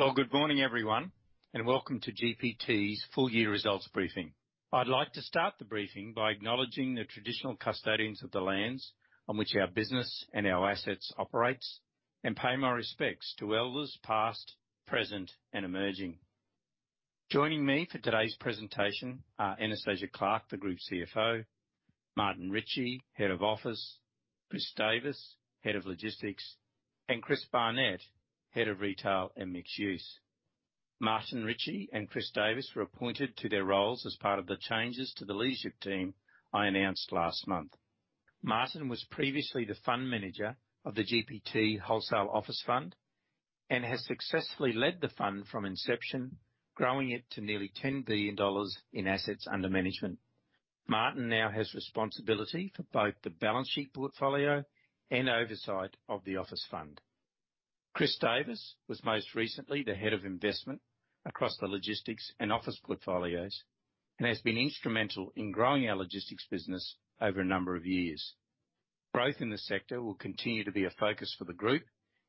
Well, good morning, everyone, and welcome to GPT's full year results briefing. I'd like to start the briefing by acknowledging the traditional custodians of the lands on which our business and our assets operates, and pay my respects to elders past, present, and emerging. Joining me for today's presentation are Anastasia Clarke, the Group CFO, Martin Ritchie, Head of Office, Chris Davis, Head of Logistics, and Chris Barnett, Head of Retail and Mixed-Use. Martin Ritchie and Chris Davis were appointed to their roles as part of the changes to the leadership team I announced last month. Martin was previously the fund manager of the GPT Wholesale Office Fund and has successfully led the fund from inception, growing it to nearly 10 billion dollars in assets under management. Martin now has responsibility for both the balance sheet portfolio and oversight of the office fund. Chris Davis was most recently the head of investment across the logistics and office portfolios and has been instrumental in growing our logistics business over a number of years. Growth in this sector will continue to be a focus for the group,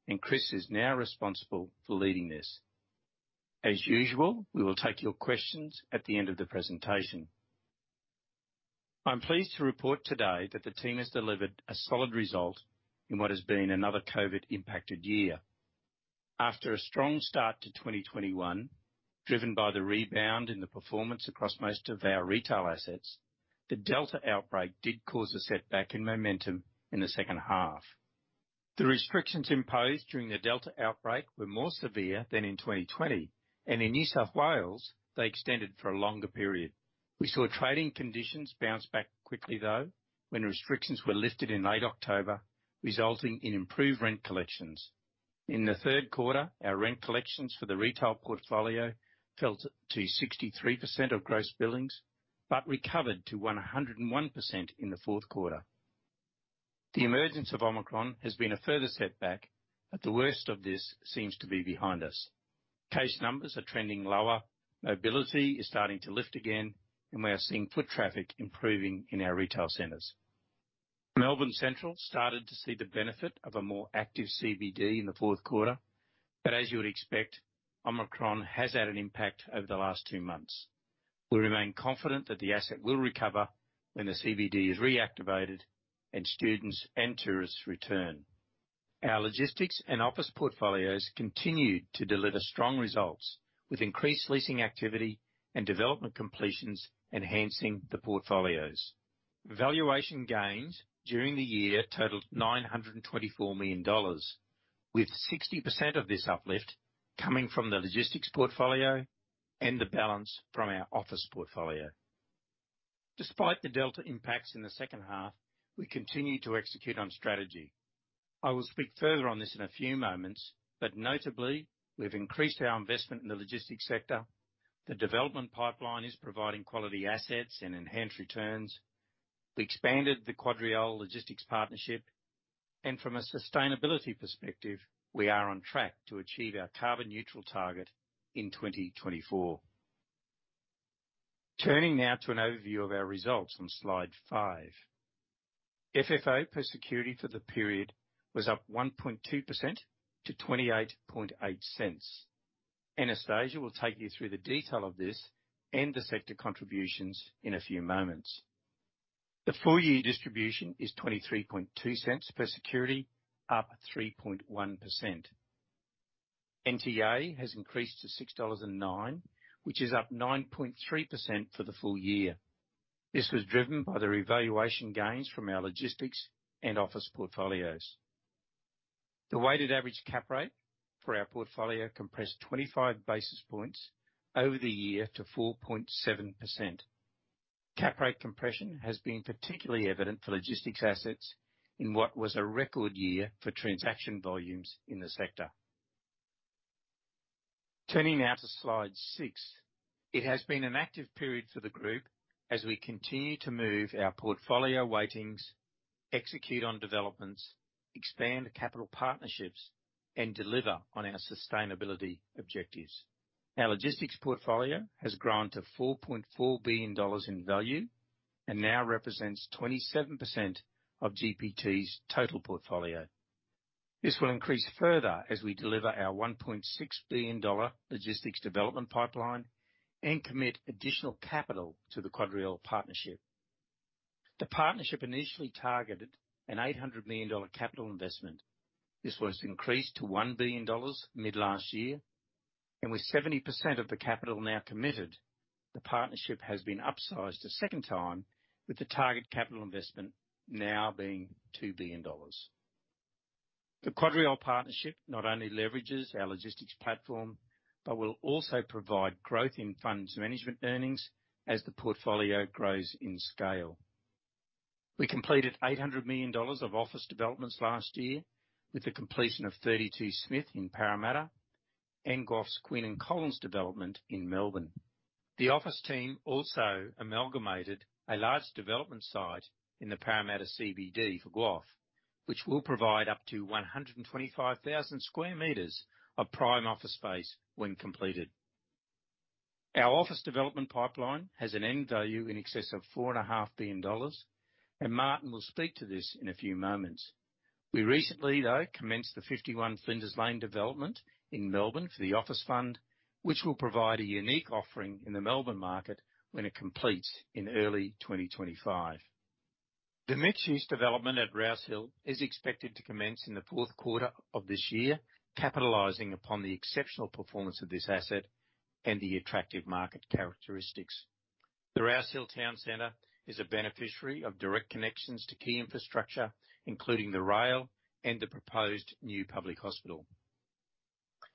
and Chris is now responsible for leading this. As usual, we will take your questions at the end of the presentation. I'm pleased to report today that the team has delivered a solid result in what has been another COVID-impacted year. After a strong start to 2021, driven by the rebound in the performance across most of our retail assets, the Delta outbreak did cause a setback in momentum in the second half. The restrictions imposed during the Delta outbreak were more severe than in 2020, and in New South Wales, they extended for a longer period. We saw trading conditions bounce back quickly, though, when restrictions were lifted in late October, resulting in improved rent collections. In the third quarter, our rent collections for the retail portfolio fell to 63% of gross billings but recovered to 101% in the fourth quarter. The emergence of Omicron has been a further setback, but the worst of this seems to be behind us. Case numbers are trending lower, mobility is starting to lift again, and we are seeing foot traffic improving in our retail centers. Melbourne Central started to see the benefit of a more active CBD in the fourth quarter, but as you would expect, Omicron has had an impact over the last two months. We remain confident that the asset will recover when the CBD is reactivated and students and tourists return. Our logistics and office portfolios continued to deliver strong results with increased leasing activity and development completions enhancing the portfolios. Valuation gains during the year totaled 924 million dollars, with 60% of this uplift coming from the logistics portfolio and the balance from our office portfolio. Despite the Delta impacts in the second half, we continue to execute on strategy. I will speak further on this in a few moments, but notably, we've increased our investment in the logistics sector. The development pipeline is providing quality assets and enhanced returns. We expanded the QuadReal Logistics partnership. From a sustainability perspective, we are on track to achieve our carbon neutral target in 2024. Turning now to an overview of our results on slide five. FFO per security for the period was up 1.2% to 28.08. Anastasia will take you through the detail of this and the sector contributions in a few moments. The full year distribution is 23.02 per security, up 3.1%. NTA has increased to 6.09 dollars, which is up 9.3% for the full year. This was driven by the revaluation gains from our logistics and office portfolios. The weighted average cap rate for our portfolio compressed 25 basis points over the year to 4.7%. Cap rate compression has been particularly evident for logistics assets in what was a record year for transaction volumes in the sector. Turning now to slide six. It has been an active period for the group as we continue to move our portfolio weightings, execute on developments, expand capital partnerships, and deliver on our sustainability objectives. Our logistics portfolio has grown to 4.4 billion dollars in value and now represents 27% of GPT's total portfolio. This will increase further as we deliver our 1.6 billion dollar logistics development pipeline and commit additional capital to the QuadReal partnership. The partnership initially targeted an 800 million dollar capital investment. This was increased to 1 billion dollars mid last year. With 70% of the capital now committed, the partnership has been upsized a second time, with the target capital investment now being 2 billion dollars. The QuadReal partnership not only leverages our logistics platform, but will also provide growth in funds management earnings as the portfolio grows in scale. We completed 800 million dollars of office developments last year with the completion of 32 Smith in Parramatta and GWOF's Queen and Collins development in Melbourne. The office team also amalgamated a large development site in the Parramatta CBD for GWOF, which will provide up to 125,000 sq m of prime office space when completed. Our office development pipeline has an end value in excess of 4.5 billion dollars, and Martin will speak to this in a few moments. We recently, though, commenced the 51 Flinders Lane development in Melbourne for the office fund, which will provide a unique offering in the Melbourne market when it completes in early 2025. The mixed-use development at Rouse Hill is expected to commence in the fourth quarter of this year, capitalizing upon the exceptional performance of this asset and the attractive market characteristics. The Rouse Hill Town Center is a beneficiary of direct connections to key infrastructure, including the rail and the proposed new public hospital.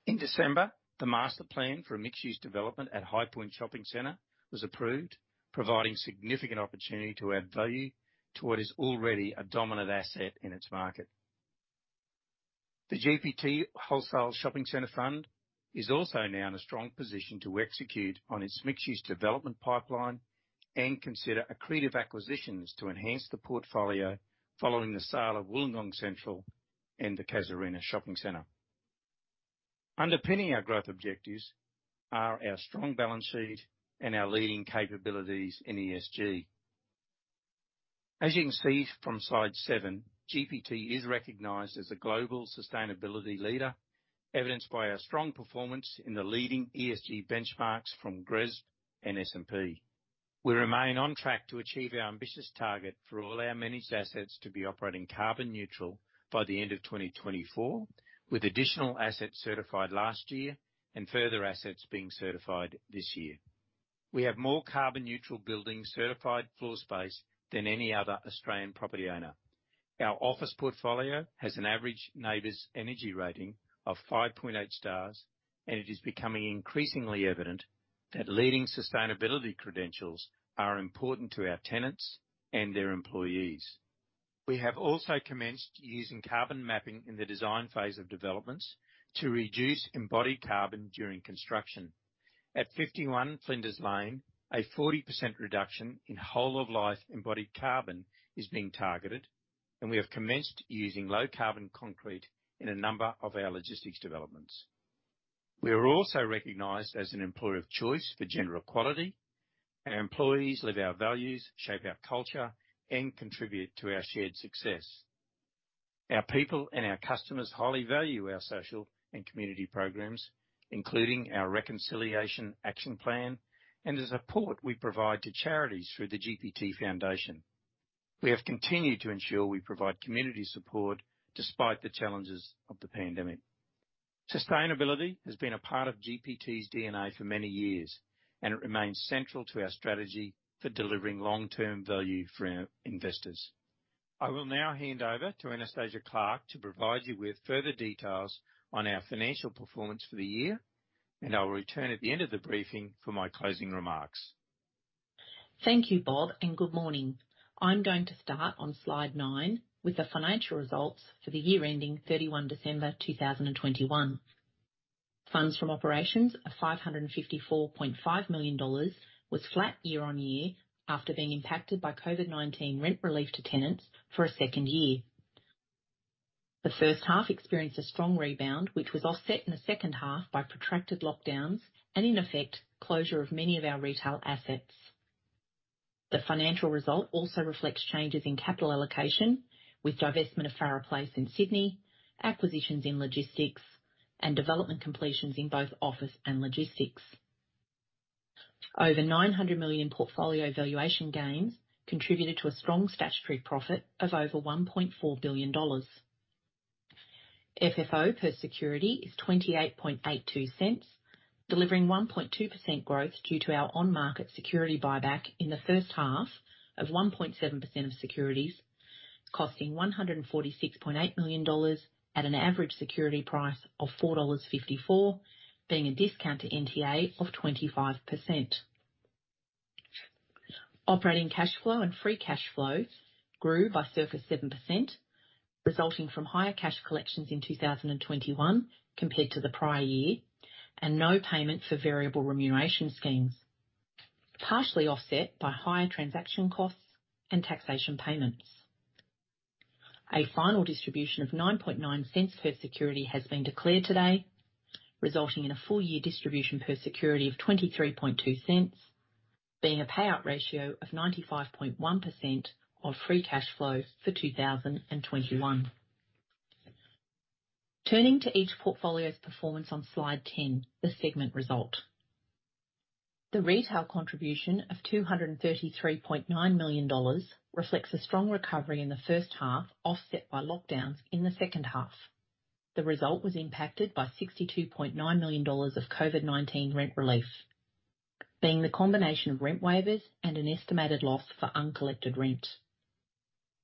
In December, the master plan for a mixed-use development at Highpoint Shopping Centre was approved, providing significant opportunity to add value to what is already a dominant asset in its market. The GPT Wholesale Shopping Centre Fund is also now in a strong position to execute on its mixed-use development pipeline and consider accretive acquisitions to enhance the portfolio following the sale of Wollongong Central and the Casuarina Shopping Centre. Underpinning our growth objectives are our strong balance sheet and our leading capabilities in ESG. As you can see from slide seven, GPT is recognized as a global sustainability leader, evidenced by our strong performance in the leading ESG benchmarks from GRESB and S&P. We remain on track to achieve our ambitious target for all our managed assets to be operating carbon neutral by the end of 2024, with additional assets certified last year and further assets being certified this year. We have more carbon neutral buildings certified floor space than any other Australian property owner. Our office portfolio has an average NABERS energy rating of 5.8 stars, and it is becoming increasingly evident that leading sustainability credentials are important to our tenants and their employees. We have also commenced using carbon mapping in the design phase of developments to reduce embodied carbon during construction. At 51 Flinders Lane, a 40% reduction in whole of life embodied carbon is being targeted, and we have commenced using low carbon concrete in a number of our logistics developments. We are also recognized as an employer of choice for general quality. Our employees live our values, shape our culture, and contribute to our shared success. Our people and our customers highly value our social and community programs, including our reconciliation action plan and the support we provide to charities through the GPT Foundation. We have continued to ensure we provide community support despite the challenges of the pandemic. Sustainability has been a part of GPT's DNA for many years, and it remains central to our strategy for delivering long-term value for our investors. I will now hand over to Anastasia Clarke to provide you with further details on our financial performance for the year, and I will return at the end of the briefing for my closing remarks. Thank you, Bob, and good morning. I'm going to start on slide nine with the financial results for the year ending 31 December 2021. Funds from operations of 554.5 million dollars was flat year-on-year after being impacted by COVID-19 rent relief to tenants for a second year. The first half experienced a strong rebound, which was offset in the second half by protracted lockdowns and, in effect, closure of many of our retail assets. The financial result also reflects changes in capital allocation, with divestment of 1 Farrer Place in Sydney, acquisitions in logistics, and development completions in both office and logistics. Over 900 million portfolio valuation gains contributed to a strong statutory profit of over 1.4 billion dollars. FFO per security is 28.82, delivering 1.2% growth due to our on-market security buyback in the first half of 1.7% of securities, costing 146.8 million dollars at an average security price of 4.54 dollars, being a discount to NTA of 25%. Operating cash flow and free cash flow grew by circa 7%, resulting from higher cash collections in 2021 compared to the prior year, and no payment for variable remuneration schemes, partially offset by higher transaction costs and taxation payments. A final distribution of 9.09 per security has been declared today, resulting in a full year distribution per security of 23.02, being a payout ratio of 95.1% of free cash flow for 2021. Turning to each portfolio's performance on slide 10, the segment result. The retail contribution of 233.9 million dollars reflects a strong recovery in the first half, offset by lockdowns in the second half. The result was impacted by 62.9 million dollars of COVID-19 rent relief, being the combination of rent waivers and an estimated loss for uncollected rent.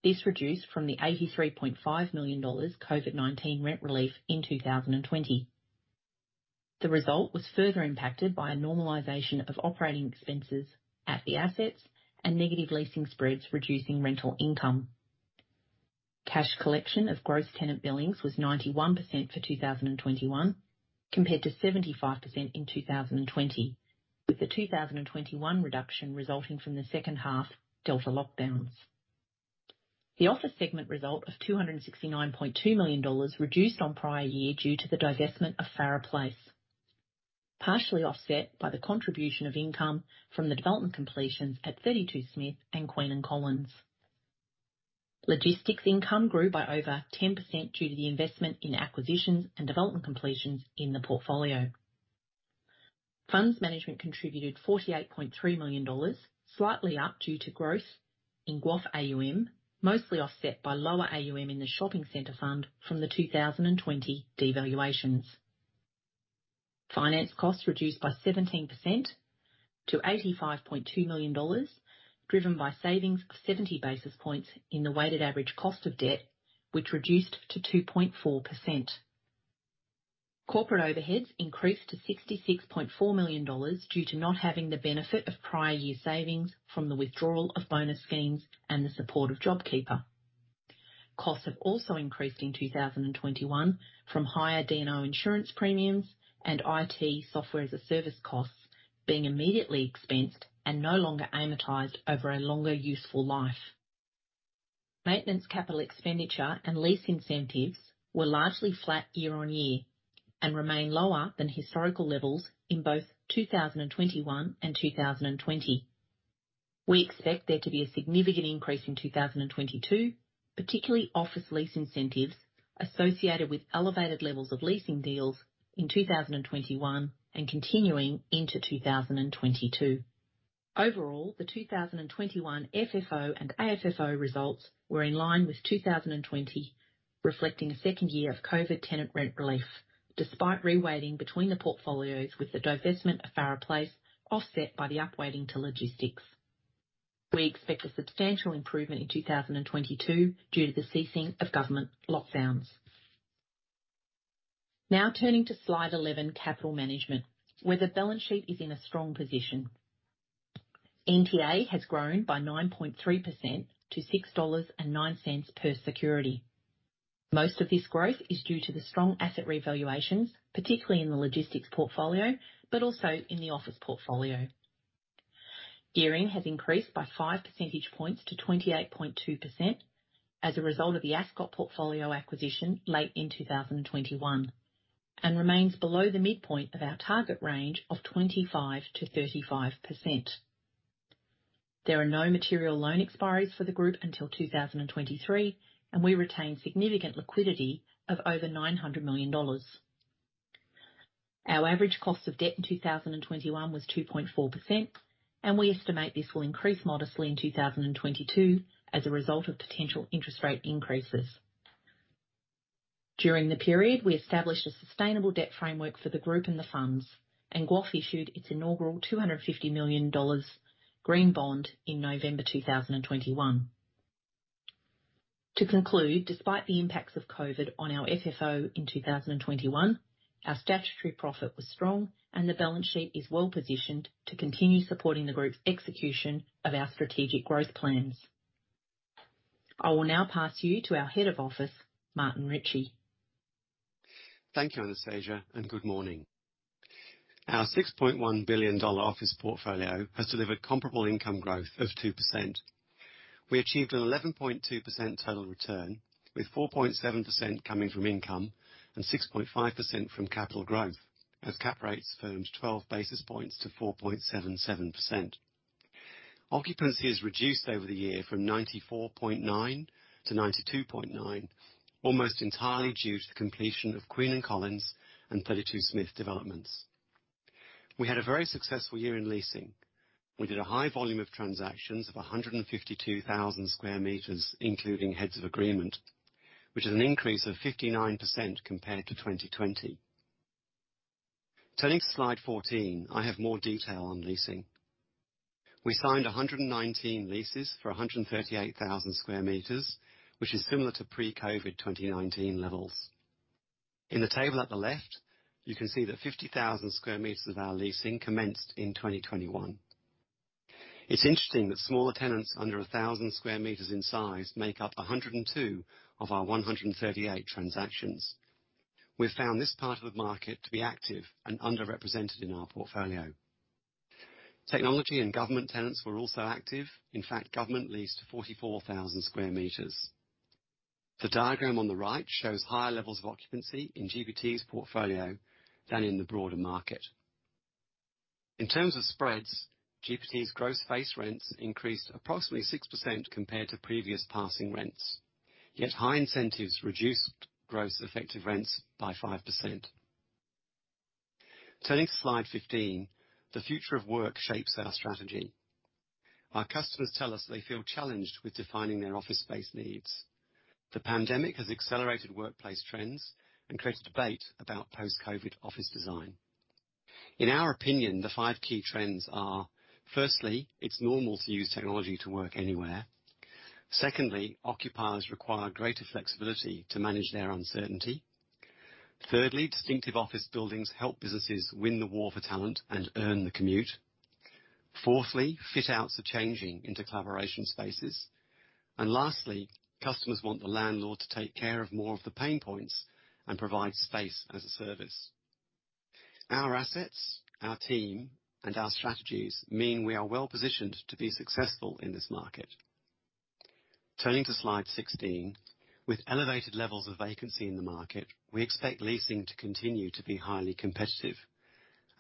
This reduced from the 83.5 million dollars COVID-19 rent relief in 2020. The result was further impacted by a normalization of operating expenses at the assets and negative leasing spreads, reducing rental income. Cash collection of gross tenant billings was 91% for 2021, compared to 75% in 2020, with the 2021 reduction resulting from the second half Delta lockdowns. The office segment result of 269.2 million dollars reduced on prior year due to the divestment of 1 Farrer Place, partially offset by the contribution of income from the development completions at 32 Smith and Queen and Collins. Logistics income grew by over 10% due to the investment in acquisitions and development completions in the portfolio. Funds management contributed 48.3 million dollars, slightly up due to growth in GWOF AUM, mostly offset by lower AUM in the shopping center fund from the 2020 devaluations. Finance costs reduced by 17% to 85.2 million dollars, driven by savings of 70 basis points in the weighted average cost of debt, which reduced to 2.4%. Corporate overheads increased to 66.4 million dollars due to not having the benefit of prior year savings from the withdrawal of bonus schemes and the support of JobKeeper. Costs have also increased in 2021 from higher D&O insurance premiums and IT software as a service costs being immediately expensed and no longer amortized over a longer useful life. Maintenance capital expenditure and lease incentives were largely flat year-on-year and remain lower than historical levels in both 2021 and 2020. We expect there to be a significant increase in 2022, particularly office lease incentives associated with elevated levels of leasing deals in 2021 and continuing into 2022. Overall, the 2021 FFO and AFFO results were in line with 2020, reflecting a second year of COVID tenant rent relief, despite reweighting between the portfolios with the divestment of 1 Farrer Place offset by the upweighting to logistics. We expect a substantial improvement in 2022 due to the ceasing of government lockdowns. Now turning to slide 11, capital management, where the balance sheet is in a strong position. NTA has grown by 9.3% to 6.09 dollars per security. Most of this growth is due to the strong asset revaluations, particularly in the logistics portfolio, but also in the office portfolio. Gearing has increased by five percentage points to 28.2% as a result of the Ascot portfolio acquisition late in 2021, and remains below the midpoint of our target range of 25%-35%. There are no material loan expiries for the group until 2023, and we retain significant liquidity of over 900 million dollars. Our average cost of debt in 2021 was 2.4%, and we estimate this will increase modestly in 2022 as a result of potential interest rate increases. During the period, we established a sustainable debt framework for the group and the funds, and GWOF issued its inaugural AUD 250 million green bond in November 2021. To conclude, despite the impacts of COVID on our FFO in 2021, our statutory profit was strong and the balance sheet is well-positioned to continue supporting the group's execution of our strategic growth plans. I will now pass you to our Head of Office, Martin Ritchie. Thank you, Anastasia, and good morning. Our 6.1 billion dollar office portfolio has delivered comparable income growth of 2%. We achieved an 11.2% total return, with 4.7% coming from income and 6.5% from capital growth as cap rates firmed 12 basis points to 4.77%. Occupancy has reduced over the year from 94.9% to 92.9%, almost entirely due to the completion of Queen and Collins and 32 Smith developments. We had a very successful year in leasing. We did a high volume of transactions of 152,000 sq m, including heads of agreement, which is an increase of 59% compared to 2020. Turning to slide 14, I have more detail on leasing. We signed 119 leases for 138,000 sq m, which is similar to pre-COVID 2019 levels. In the table at the left, you can see that 50,000 sq m of our leasing commenced in 2021. It's interesting that smaller tenants under 1,000 sq m in size make up 102 of our 138 transactions. We've found this part of the market to be active and underrepresented in our portfolio. Technology and government tenants were also active. In fact, government leased 44,000 sq m. The diagram on the right shows higher levels of occupancy in GPT's portfolio than in the broader market. In terms of spreads, GPT's gross base rents increased approximately 6% compared to previous passing rents. Yet high incentives reduced gross effective rents by 5%. Turning to slide 15, the future of work shapes our strategy. Our customers tell us they feel challenged with defining their office space needs. The pandemic has accelerated workplace trends and created debate about post-COVID office design. In our opinion, the five key trends are, firstly, it's normal to use technology to work anywhere. Secondly, occupiers require greater flexibility to manage their uncertainty. Thirdly, distinctive office buildings help businesses win the war for talent and earn the commute. Fourthly, fit outs are changing into collaboration spaces. Lastly, customers want the landlord to take care of more of the pain points and provide space as a service. Our assets, our team, and our strategies mean we are well positioned to be successful in this market. Turning to slide 16, with elevated levels of vacancy in the market, we expect leasing to continue to be highly competitive.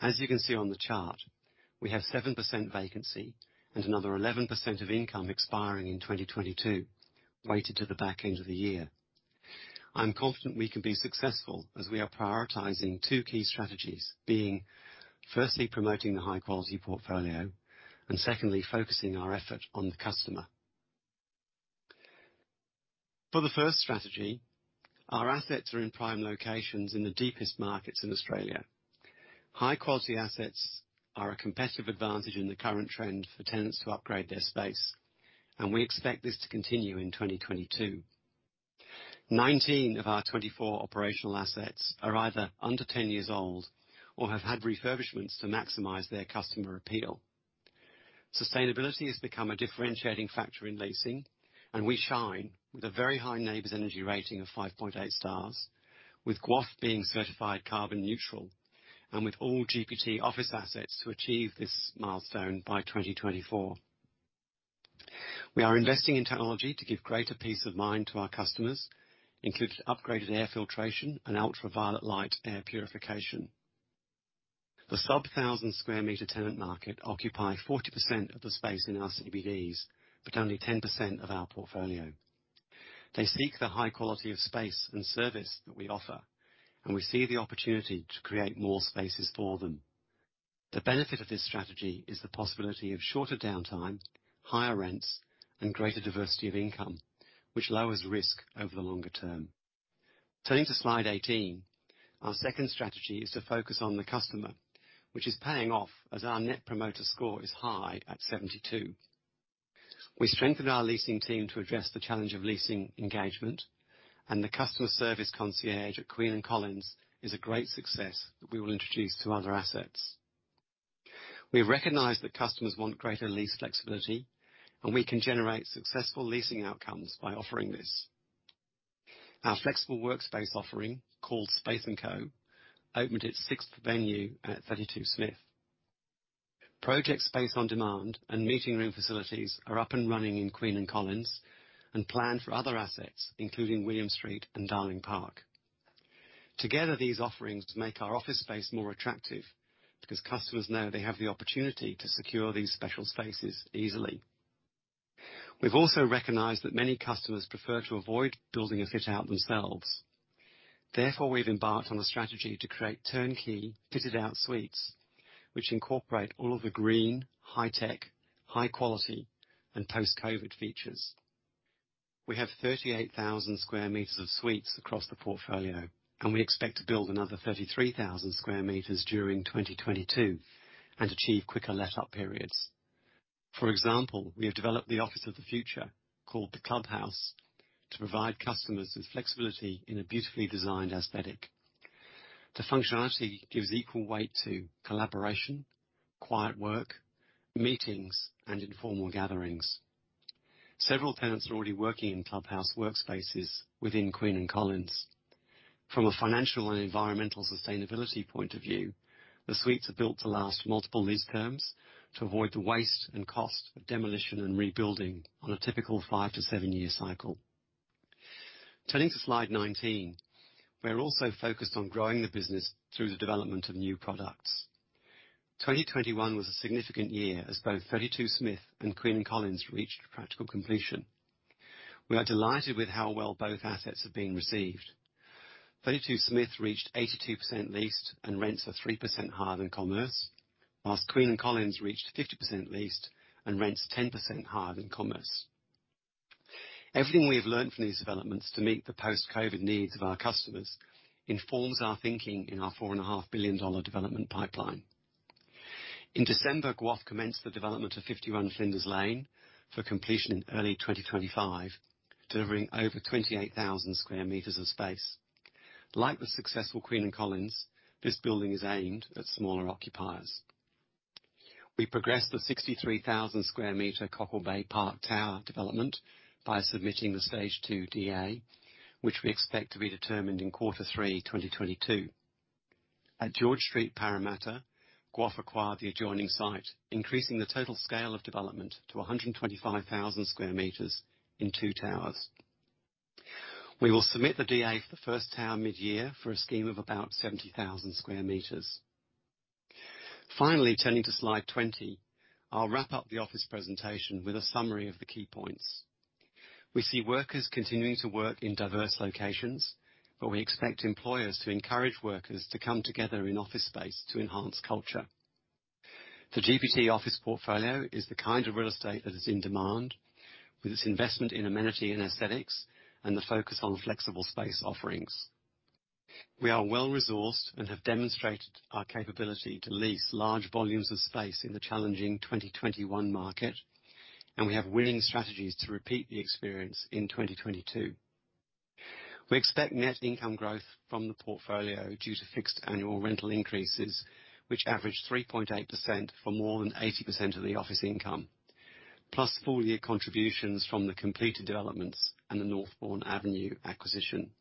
As you can see on the chart, we have 7% vacancy and another 11% of income expiring in 2022, weighted to the back end of the year. I'm confident we can be successful as we are prioritizing two key strategies, being firstly, promoting the high-quality portfolio, and secondly, focusing our effort on the customer. For the first strategy, our assets are in prime locations in the deepest markets in Australia. High-quality assets are a competitive advantage in the current trend for tenants to upgrade their space, and we expect this to continue in 2022. 19 of our 24 operational assets are either under 10 years old or have had refurbishments to maximize their customer appeal. Sustainability has become a differentiating factor in leasing, and we shine with a very high NABERS energy rating of 5.8 stars, with GWOF being certified carbon neutral and with all GPT office assets to achieve this milestone by 2024. We are investing in technology to give greater peace of mind to our customers, including upgraded air filtration and ultraviolet light air purification. The sub-1,000 sq m tenant market occupy 40% of the space in our CBDs, but only 10% of our portfolio. They seek the high quality of space and service that we offer, and we see the opportunity to create more spaces for them. The benefit of this strategy is the possibility of shorter downtime, higher rents and greater diversity of income, which lowers risk over the longer term. Turning to slide 18. Our second strategy is to focus on the customer, which is paying off as our Net Promoter Score is high at 72. We strengthened our leasing team to address the challenge of leasing engagement and the customer service concierge at Queen and Collins is a great success that we will introduce to other assets. We recognize that customers want greater lease flexibility and we can generate successful leasing outcomes by offering this. Our flexible workspace offering, called Space & Co, opened its sixth venue at 32 Smith. Project space on demand and meeting room facilities are up and running in Queen and Collins and planned for other assets, including William Street and Darling Park. Together, these offerings make our office space more attractive because customers know they have the opportunity to secure these special spaces easily. We've also recognized that many customers prefer to avoid building a fit out themselves. Therefore, we've embarked on a strategy to create turnkey fitted out suites which incorporate all of the green, high tech, high quality and post-COVID features. We have 38,000 sq m of suites across the portfolio, and we expect to build another 33,000 sq m during 2022 and achieve quicker lease-up periods. For example, we have developed the office of the future, called The Clubhouse, to provide customers with flexibility in a beautifully designed aesthetic. The functionality gives equal weight to collaboration, quiet work, meetings, and informal gatherings. Several tenants are already working in Clubhouse workspaces within Queen and Collins. From a financial and environmental sustainability point of view, the suites are built to last multiple lease terms to avoid the waste and cost of demolition and rebuilding on a typical five-seven year cycle. Turning to slide 19. We are also focused on growing the business through the development of new products. 2021 was a significant year as both 32 Smith and Queen and Collins reached practical completion. We are delighted with how well both assets have been received. 32 Smith reached 82% leased and rents are 3% higher than commencement, while Queen and Collins reached 50% leased and rents 10% higher than commencement. Everything we have learned from these developments to meet the post-Covid needs of our customers informs our thinking in our 4.5 billion dollar development pipeline. In December, GWOF commenced the development of 51 Flinders Lane for completion in early 2025, delivering over 28,000 sq m of space. Like the successful Queen and Collins, this building is aimed at smaller occupiers. We progressed the 63,000 sq m Cockle Bay Park Tower development by submitting the stage two DA, which we expect to be determined in Q3 2022. At George Street, Parramatta, GPT acquired the adjoining site, increasing the total scale of development to 125,000 sq m in two towers. We will submit the DA for the first tower mid-year for a scheme of about 70,000 sq m. Finally turning to slide 20. I'll wrap up the office presentation with a summary of the key points. We see workers continuing to work in diverse locations, but we expect employers to encourage workers to come together in office space to enhance culture. The GPT office portfolio is the kind of real estate that is in demand with its investment in amenity and aesthetics and the focus on flexible space offerings. We are well-resourced and have demonstrated our capability to lease large volumes of space in the challenging 2021 market, and we have winning strategies to repeat the experience in 2022. We expect net income growth from the portfolio due to fixed annual rental increases, which averaged 3.8% for more than 80% of the office income, plus full-year contributions from the completed developments and the Northbourne Avenue acquisition.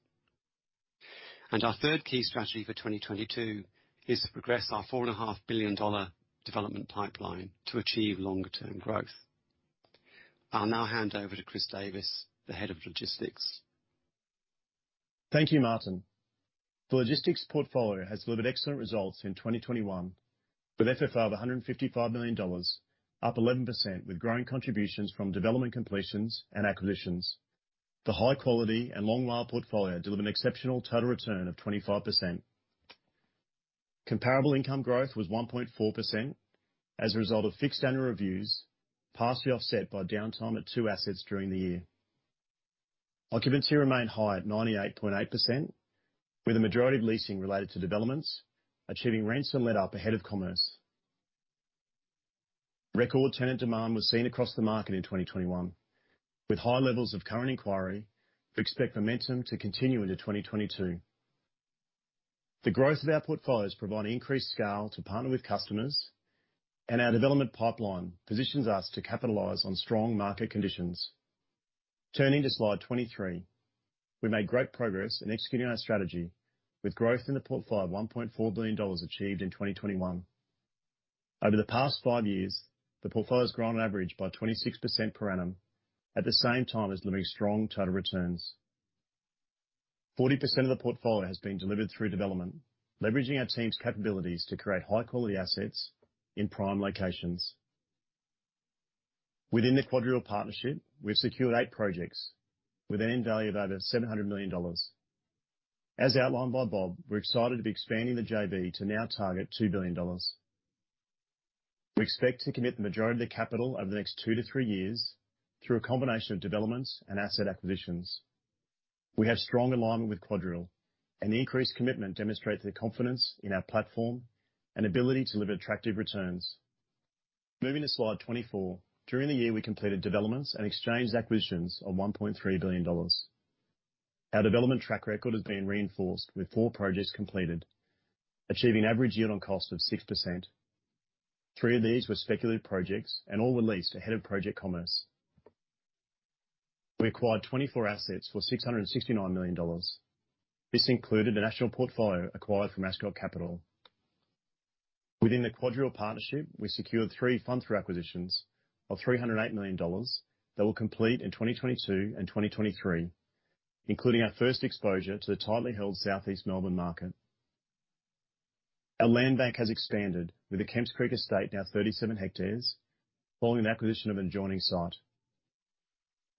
Our third key strategy for 2022 is to progress our 4.5 billion dollar development pipeline to achieve longer-term growth. I'll now hand over to Chris Davis, Head of Logistics. Thank you, Martin. The logistics portfolio has delivered excellent results in 2021, with FFO of 155 million dollars, up 11% with growing contributions from development completions and acquisitions. The high quality and long life portfolio delivered an exceptional total return of 25%. Comparable income growth was 1.4% as a result of fixed annual reviews, partially offset by downtime at two assets during the year. Occupancy remained high at 98.8%, with a majority of leasing related to developments, achieving rents at levels up ahead of commencement. Record tenant demand was seen across the market in 2021. With high levels of current inquiry, we expect momentum to continue into 2022. The growth of our portfolios provide an increased scale to partner with customers, and our development pipeline positions us to capitalize on strong market conditions. Turning to slide 23, we made great progress in executing our strategy with growth in the portfolio of 1.4 billion dollars achieved in 2021. Over the past five years, the portfolio has grown on average by 26% per annum, at the same time as delivering strong total returns. 40% of the portfolio has been delivered through development, leveraging our team's capabilities to create high quality assets in prime locations. Within the QuadReal partnership, we've secured 8 projects with an end value of over 700 million dollars. As outlined by Bob, we're excited to be expanding the JV to now target 2 billion dollars. We expect to commit the majority of the capital over the next two-three years through a combination of developments and asset acquisitions. We have strong alignment with QuadReal, and the increased commitment demonstrates the confidence in our platform and ability to deliver attractive returns. Moving to slide 24. During the year, we completed developments and exchange acquisitions of 1.3 billion dollars. Our development track record has been reinforced with four projects completed, achieving average yield on cost of 6%. Three of these were speculative projects and all were leased ahead of project commencement. We acquired 24 assets for 669 million dollars. This included a national portfolio acquired from Ascot Capital. Within the QuadReal partnership, we secured three fund-through acquisitions of 308 million dollars that will complete in 2022 and 2023, including our first exposure to the tightly held Southeast Melbourne market. Our land bank has expanded with the Kemps Creek estate now 37 hectares, following an acquisition of adjoining site.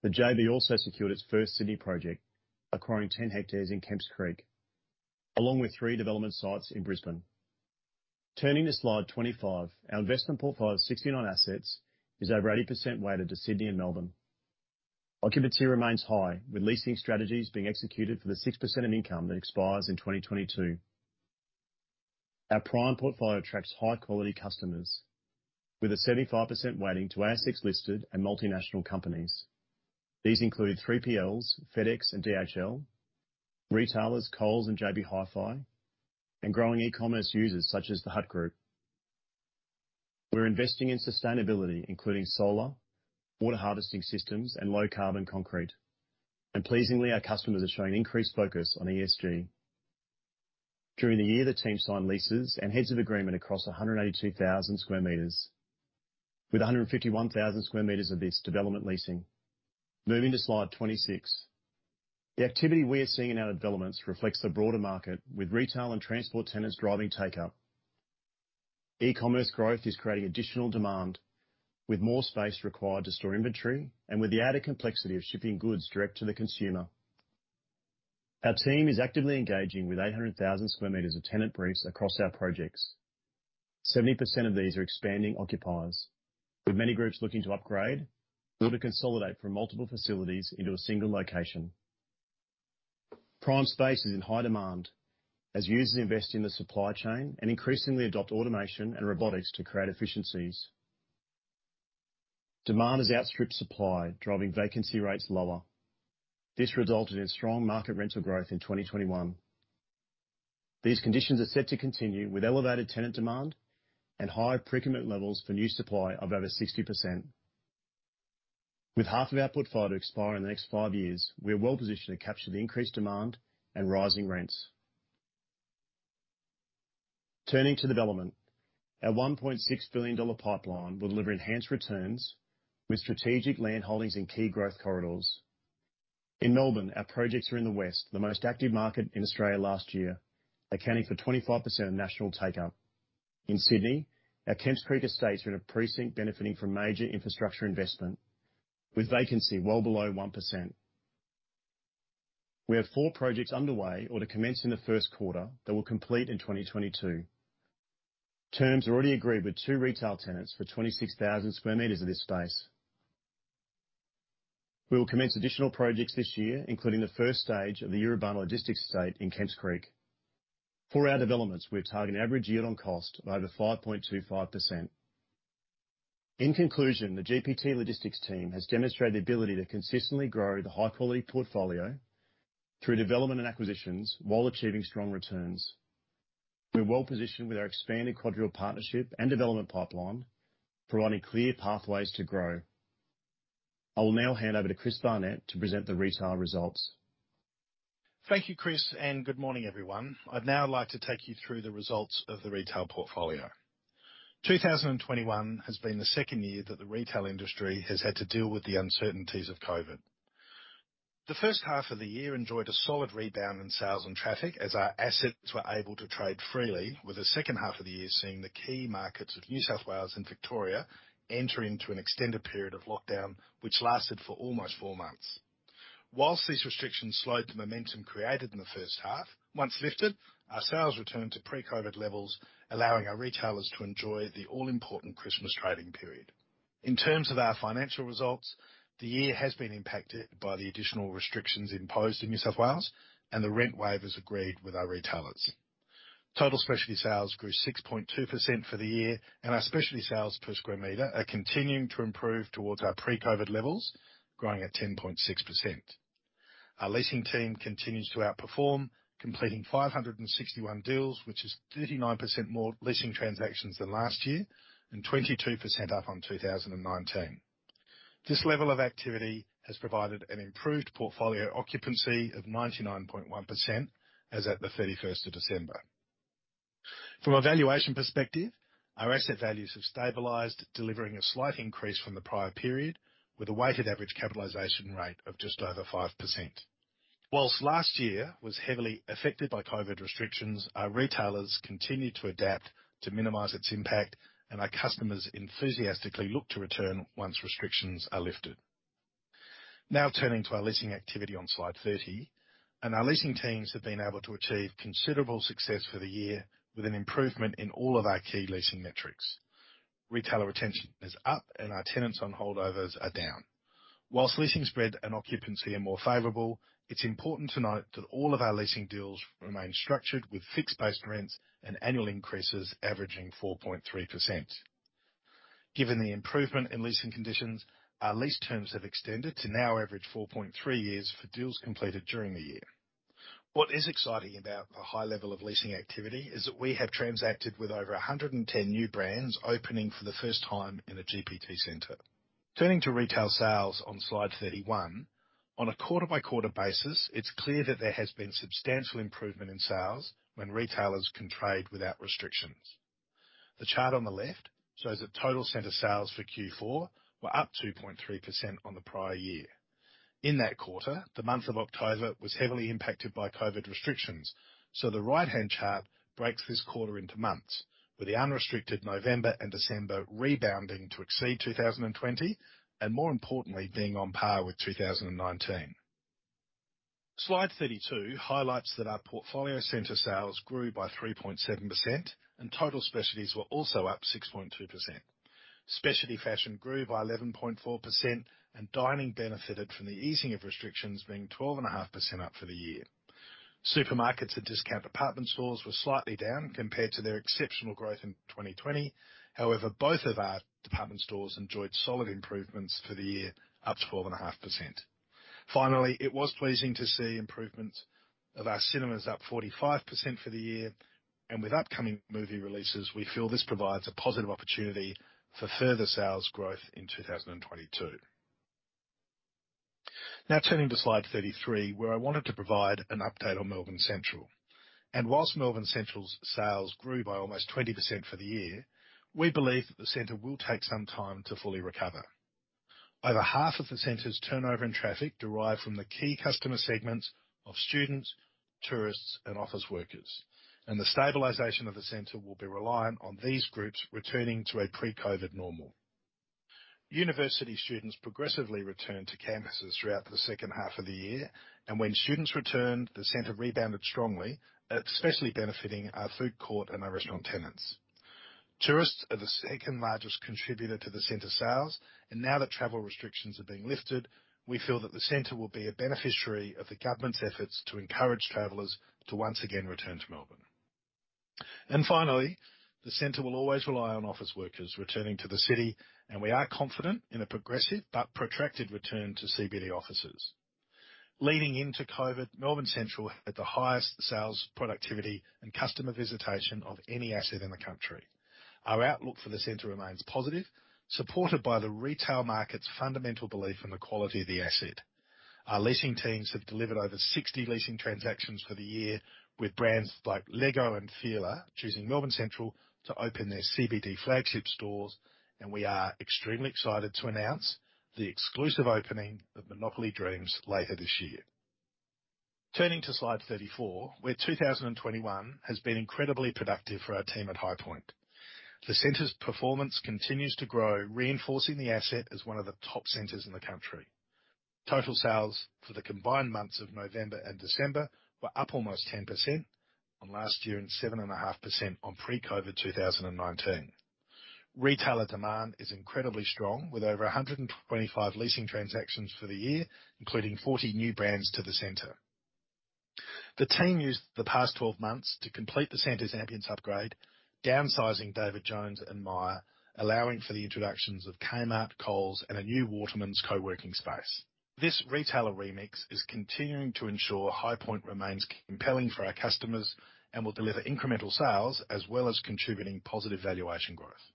The JV also secured its first Sydney project, acquiring 10 hectares in Kemps Creek, along with three development sites in Brisbane. Turning to slide 25. Our investment portfolio of 69 assets is over 80% weighted to Sydney and Melbourne. Occupancy remains high, with leasing strategies being executed for the 6% of income that expires in 2022. Our prime portfolio attracts high quality customers with a 75% weighting to ASX listed and multinational companies. These include 3PLs, FedEx and DHL, retailers, Coles and JB Hi-Fi, and growing e-commerce users such as the Hut Group. We're investing in sustainability, including solar, water harvesting systems and low carbon concrete. Pleasingly, our customers are showing increased focus on ESG. During the year, the team signed leases and heads of agreement across 182,000 sq m, with 151,000 sq m of this development leasing. Moving to slide 26. The activity we are seeing in our developments reflects the broader market, with retail and transport tenants driving take up. E-commerce growth is creating additional demand, with more space required to store inventory and with the added complexity of shipping goods direct to the consumer. Our team is actively engaging with 800,000 sq m of tenant briefs across our projects. 70% of these are expanding occupiers, with many groups looking to upgrade or to consolidate from multiple facilities into a single location. Prime space is in high demand as users invest in the supply chain and increasingly adopt automation and robotics to create efficiencies. Demand has outstripped supply, driving vacancy rates lower. This resulted in strong market rental growth in 2021. These conditions are set to continue with elevated tenant demand and high pre-commitment levels for new supply of over 60%. With half of our portfolio to expire in the next five years, we are well-positioned to capture the increased demand and rising rents. Turning to development. Our 1.6 billion dollar pipeline will deliver enhanced returns with strategic landholdings in key growth corridors. In Melbourne, our projects are in the west, the most active market in Australia last year, accounting for 25% of national take up. In Sydney, our Kemps Creek estate is in a precinct benefiting from major infrastructure investment, with vacancy well below 1%. We have four projects underway or to commence in the first quarter that will complete in 2022. Terms are already agreed with two retail tenants for 26,000 sq m of this space. We will commence additional projects this year, including the first stage of the Yiribana Logistics Estate in Kemps Creek. For our developments, we've targeted average yield on cost of over 5.25%. In conclusion, the GPT logistics team has demonstrated the ability to consistently grow the high-quality portfolio through development and acquisitions while achieving strong returns. We're well-positioned with our expanded QuadReal partnership and development pipeline, providing clear pathways to grow. I will now hand over to Chris Barnett to present the retail results. Thank you, Chris, and good morning, everyone. I'd now like to take you through the results of the retail portfolio. 2021 has been the second year that the retail industry has had to deal with the uncertainties of COVID. The first half of the year enjoyed a solid rebound in sales and traffic as our assets were able to trade freely, with the second half of the year seeing the key markets of New South Wales and Victoria enter into an extended period of lockdown, which lasted for almost four months. While these restrictions slowed the momentum created in the first half, once lifted, our sales returned to pre-COVID levels, allowing our retailers to enjoy the all-important Christmas trading period. In terms of our financial results, the year has been impacted by the additional restrictions imposed in New South Wales and the rent waivers agreed with our retailers. Total specialty sales grew 6.2% for the year, and our specialty sales per square meter are continuing to improve towards our pre-COVID levels, growing at 10.6%. Our leasing team continues to outperform, completing 561 deals, which is 39% more leasing transactions than last year and 22% up on 2019. This level of activity has provided an improved portfolio occupancy of 99.1% as at the 31st of December. From a valuation perspective, our asset values have stabilized, delivering a slight increase from the prior period with a weighted average capitalization rate of just over 5%. While last year was heavily affected by COVID restrictions, our retailers continued to adapt to minimize its impact, and our customers enthusiastically look to return once restrictions are lifted. Now turning to our leasing activity on slide 30, and our leasing teams have been able to achieve considerable success for the year with an improvement in all of our key leasing metrics. Retailer retention is up, and our tenants on holdovers are down. While leasing spread and occupancy are more favorable, it's important to note that all of our leasing deals remain structured with fixed base rents and annual increases averaging 4.3%. Given the improvement in leasing conditions, our lease terms have extended to now average 4.3 years for deals completed during the year. What is exciting about the high level of leasing activity is that we have transacted with over 110 new brands opening for the first time in a GPT center. Turning to retail sales on slide 31. On a quarter-by-quarter basis, it's clear that there has been substantial improvement in sales when retailers can trade without restrictions. The chart on the left shows that total center sales for Q4 were up 2.3% on the prior year. In that quarter, the month of October was heavily impacted by COVID restrictions, so the right-hand chart breaks this quarter into months, with the unrestricted November and December rebounding to exceed 2020 and more importantly, being on par with 2019. Slide 32 highlights that our portfolio center sales grew by 3.7%, and total specialties were also up 6.2%. Specialty fashion grew by 11.4%, and dining benefited from the easing of restrictions being 12.5% up for the year. Supermarkets and discount department stores were slightly down compared to their exceptional growth in 2020. However, both of our department stores enjoyed solid improvements for the year, up 12.5%. Finally, it was pleasing to see improvement of our cinemas up 45% for the year. With upcoming movie releases, we feel this provides a positive opportunity for further sales growth in 2022. Now turning to slide 33, where I wanted to provide an update on Melbourne Central. While Melbourne Central's sales grew by almost 20% for the year, we believe that the center will take some time to fully recover. Over half of the center's turnover and traffic derive from the key customer segments of students, tourists, and office workers, and the stabilization of the center will be reliant on these groups returning to a pre-COVID normal. University students progressively returned to campuses throughout the second half of the year, and when students returned, the center rebounded strongly, especially benefiting our food court and our restaurant tenants. Tourists are the second-largest contributor to the center's sales, and now that travel restrictions are being lifted, we feel that the center will be a beneficiary of the government's efforts to encourage travelers to once again return to Melbourne. Finally, the center will always rely on office workers returning to the city, and we are confident in a progressive but protracted return to CBD offices. Leading into COVID, Melbourne Central had the highest sales, productivity, and customer visitation of any asset in the country. Our outlook for the center remains positive, supported by the retail market's fundamental belief in the quality of the asset. Our leasing teams have delivered over 60 leasing transactions for the year, with brands like Lego and Fila choosing Melbourne Central to open their CBD flagship stores, and we are extremely excited to announce the exclusive opening of Monopoly Dreams later this year. Turning to slide 34, where 2021 has been incredibly productive for our team at Highpoint. The center's performance continues to grow, reinforcing the asset as one of the top centers in the country. Total sales for the combined months of November and December were up almost 10% on last year and 7.5% on pre-COVID 2019. Retailer demand is incredibly strong, with over 125 leasing transactions for the year, including 40 new brands to the center. The team used the past 12 months to complete the center's ambiance upgrade, downsizing David Jones and Myer, allowing for the introductions of Kmart, Coles, and a new Waterman co-working space. This retailer remix is continuing to ensure Highpoint remains compelling for our customers and will deliver incremental sales as well as contributing positive valuation growth.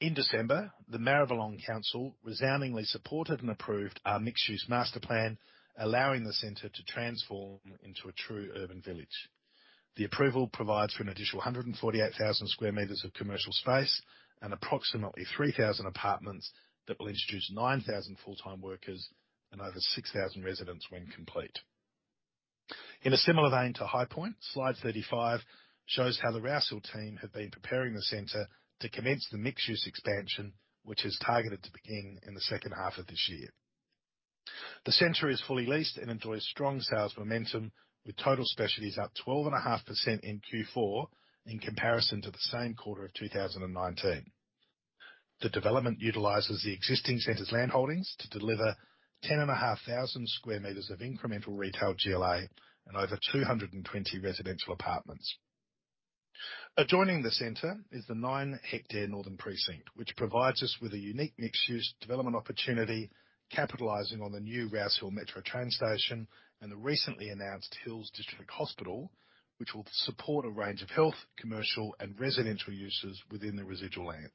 In December, the Maribyrnong Council resoundingly supported and approved our mixed-use master plan, allowing the center to transform into a true urban village. The approval provides for an additional 148,000 sq m of commercial space and approximately 3,000 apartments that will introduce 9,000 full-time workers and over 6,000 residents when complete. In a similar vein to Highpoint, slide 35 shows how the Rouse Hill team have been preparing the center to commence the mixed-use expansion, which is targeted to begin in the second half of this year. The center is fully leased and enjoys strong sales momentum, with total specialty sales up 12.5% in Q4 in comparison to the same quarter of 2019. The development utilizes the existing center's land holdings to deliver 10,500 sq m of incremental retail GLA and over 220 residential apartments. Adjoining the center is the nine hectare northern precinct, which provides us with a unique mixed-use development opportunity, capitalizing on the new Rouse Hill Metro train station and the recently announced Hills District Hospital, which will support a range of health, commercial, and residential uses within the residual land.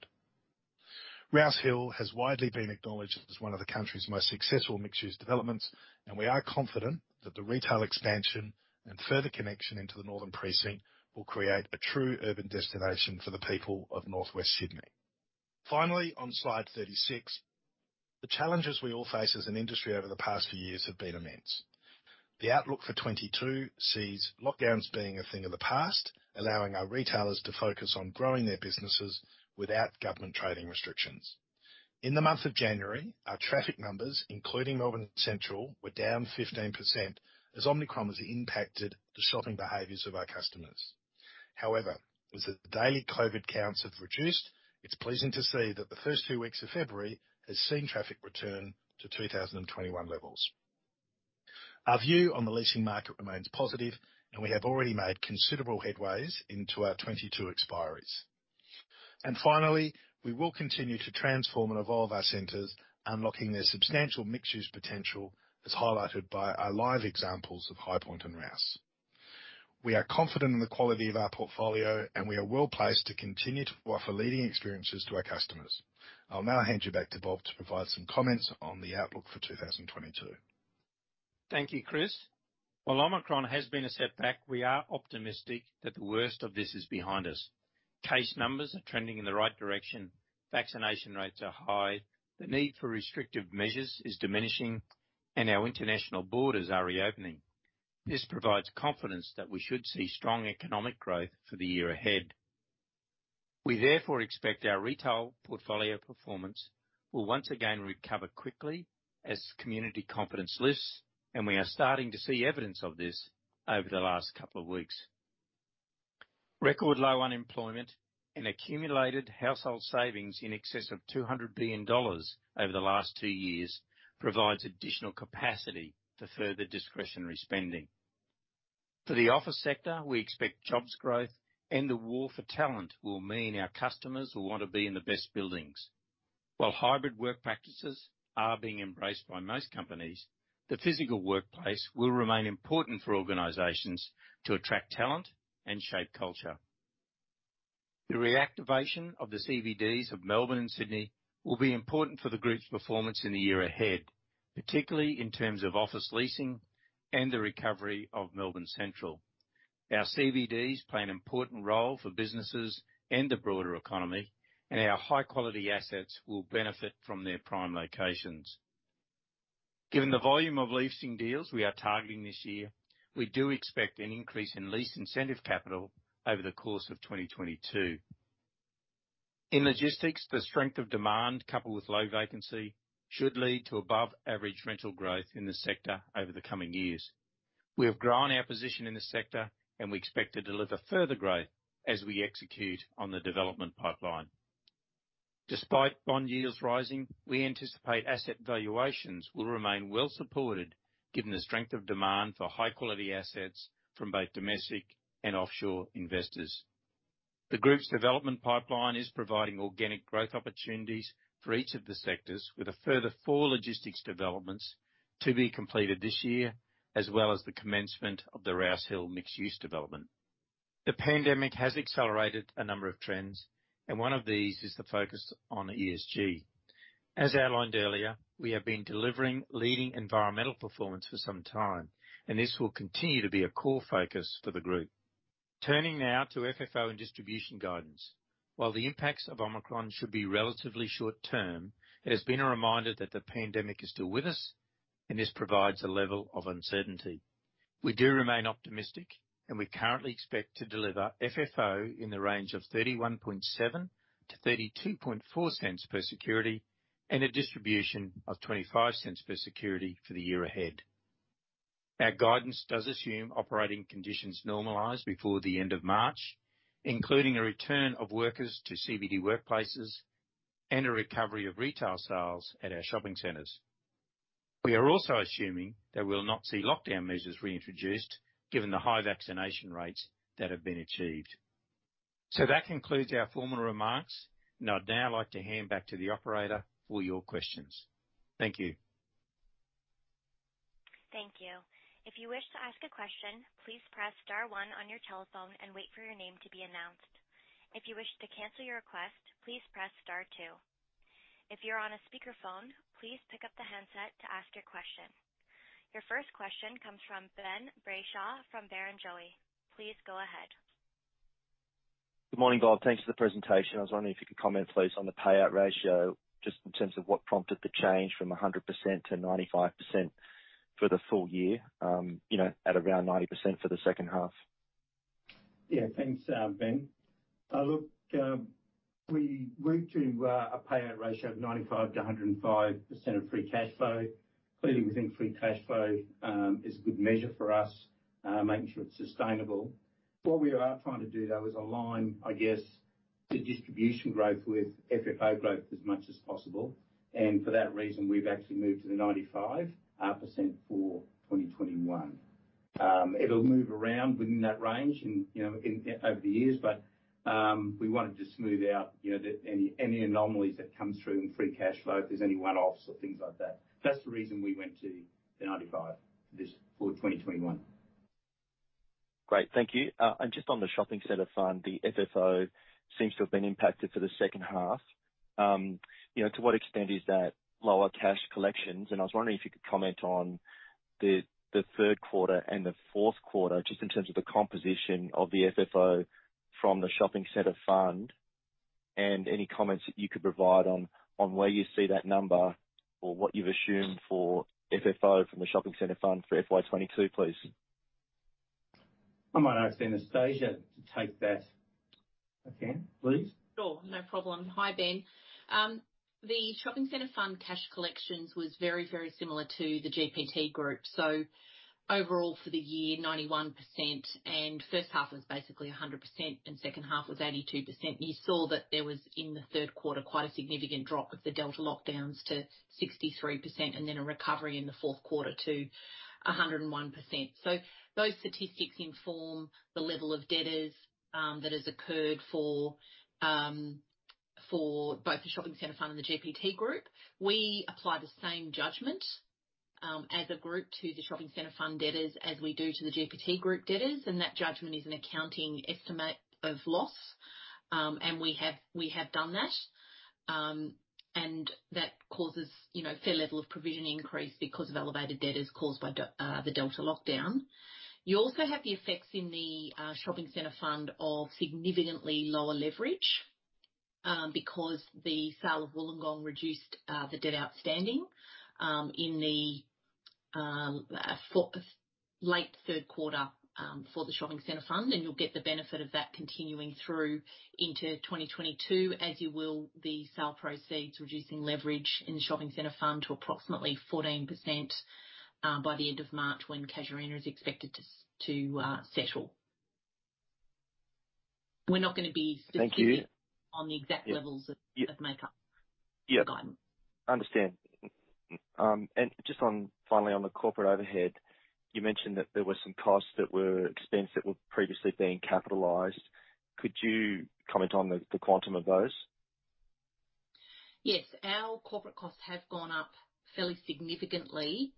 Rouse Hill has widely been acknowledged as one of the country's most successful mixed-use developments, and we are confident that the retail expansion and further connection into the northern precinct will create a true urban destination for the people of Northwest Sydney. Finally, on slide 36, the challenges we all face as an industry over the past few years have been immense. The outlook for 2022 sees lockdowns being a thing of the past, allowing our retailers to focus on growing their businesses without government trading restrictions. In the month of January, our traffic numbers, including Melbourne Central, were down 15% as Omicron has impacted the shopping behaviors of our customers. However, as the daily COVID counts have reduced, it's pleasing to see that the first two weeks of February has seen traffic return to 2021 levels. Our view on the leasing market remains positive, and we have already made considerable headways into our 2022 expiries. We will continue to transform and evolve our centers, unlocking their substantial mixed-use potential, as highlighted by our live examples of High Point and Rouse. We are confident in the quality of our portfolio, and we are well-placed to continue to offer leading experiences to our customers. I'll now hand you back to Bob to provide some comments on the outlook for 2022. Thank you, Chris. While Omicron has been a setback, we are optimistic that the worst of this is behind us. Case numbers are trending in the right direction, vaccination rates are high, the need for restrictive measures is diminishing, and our international borders are reopening. This provides confidence that we should see strong economic growth for the year ahead. We therefore expect our retail portfolio performance will once again recover quickly as community confidence lifts, and we are starting to see evidence of this over the last couple of weeks. Record low unemployment and accumulated household savings in excess of 200 billion dollars over the last two years provides additional capacity for further discretionary spending. For the office sector, we expect jobs growth and the war for talent will mean our customers will want to be in the best buildings. While hybrid work practices are being embraced by most companies, the physical workplace will remain important for organizations to attract talent and shape culture. The reactivation of the CBDs of Melbourne and Sydney will be important for the group's performance in the year ahead, particularly in terms of office leasing and the recovery of Melbourne Central. Our CBDs play an important role for businesses and the broader economy, and our high-quality assets will benefit from their prime locations. Given the volume of leasing deals we are targeting this year, we do expect an increase in lease incentive capital over the course of 2022. In logistics, the strength of demand, coupled with low vacancy, should lead to above-average rental growth in the sector over the coming years. We have grown our position in the sector, and we expect to deliver further growth as we execute on the development pipeline. Despite bond yields rising, we anticipate asset valuations will remain well-supported given the strength of demand for high-quality assets from both domestic and offshore investors. The group's development pipeline is providing organic growth opportunities for each of the sectors, with a further four logistics developments to be completed this year, as well as the commencement of the Rouse Hill mixed-use development. The pandemic has accelerated a number of trends, and one of these is the focus on ESG. As outlined earlier, we have been delivering leading environmental performance for some time, and this will continue to be a core focus for the group. Turning now to FFO and distribution guidance. While the impacts of Omicron should be relatively short-term, it has been a reminder that the pandemic is still with us, and this provides a level of uncertainty. We do remain optimistic, and we currently expect to deliver FFO in the range of 31.07-32.04 per security and a distribution of 0.25 per security for the year ahead. Our guidance does assume operating conditions normalize before the end of March, including a return of workers to CBD workplaces and a recovery of retail sales at our shopping centers. We are also assuming that we'll not see lockdown measures reintroduced given the high vaccination rates that have been achieved. That concludes our formal remarks, and I'd now like to hand back to the operator for your questions. Thank you. Your first question comes from Ben Brayshaw from Barrenjoey. Please go ahead. Good morning, Bob. Thanks for the presentation. I was wondering if you could comment, please, on the payout ratio, just in terms of what prompted the change from 100%-95% for the full year, you know, at around 90% for the second half. Thanks, Ben. Look, we moved to a payout ratio of 95%-105% of free cashflow. Keeping within free cashflow is a good measure for us, making sure it's sustainable. What we are trying to do, though, is align, I guess, the distribution growth with FFO growth as much as possible. For that reason, we've actually moved to the 95% for 2021. It'll move around within that range and, you know, in over the years, but we want to just smooth out, you know, any anomalies that comes through in free cashflow, if there's any one-offs or things like that. That's the reason we went to the 95% for 2021. Great. Thank you. And just on the shopping center fund, the FFO seems to have been impacted for the second half. You know, to what extent is that lower cash collections? And I was wondering if you could comment on the third quarter and the fourth quarter, just in terms of the composition of the FFO from the shopping center fund, and any comments that you could provide on where you see that number or what you've assumed for FFO from the shopping center fund for FY 2022, please. I might ask Anastasia to take that, again, please. Sure. No problem. Hi, Ben. The shopping center fund cash collections was very, very similar to the GPT Group. Overall for the year, 91%, and first half was basically 100%, and second half was 82%. You saw that there was, in the third quarter, quite a significant drop of the Delta lockdowns to 63% and then a recovery in the fourth quarter to 101%. Those statistics inform the level of debtors that has occurred for both the shopping center fund and the GPT Group. We apply the same judgment as a group to the shopping center fund debtors as we do to the GPT Group debtors. That judgment is an accounting estimate of loss. We have done that, and that causes, you know, a fair level of provision increase because of elevated debtors caused by the Delta lockdown. You also have the effects in the shopping center fund of significantly lower leverage because the sale of Wollongong reduced the debt outstanding in the late third quarter for the shopping center fund, and you'll get the benefit of that continuing through into 2022, as you will the sale proceeds, reducing leverage in the shopping center fund to approximately 14% by the end of March, when Casuarina is expected to settle. We're not gonna be- Thank you. specific on the exact levels of make up- Yeah. guidance. Understood. Just on, finally, on the corporate overhead, you mentioned that there were some costs that were expensed that were previously being capitalized. Could you comment on the quantum of those? Yes. Our corporate costs have gone up fairly significantly.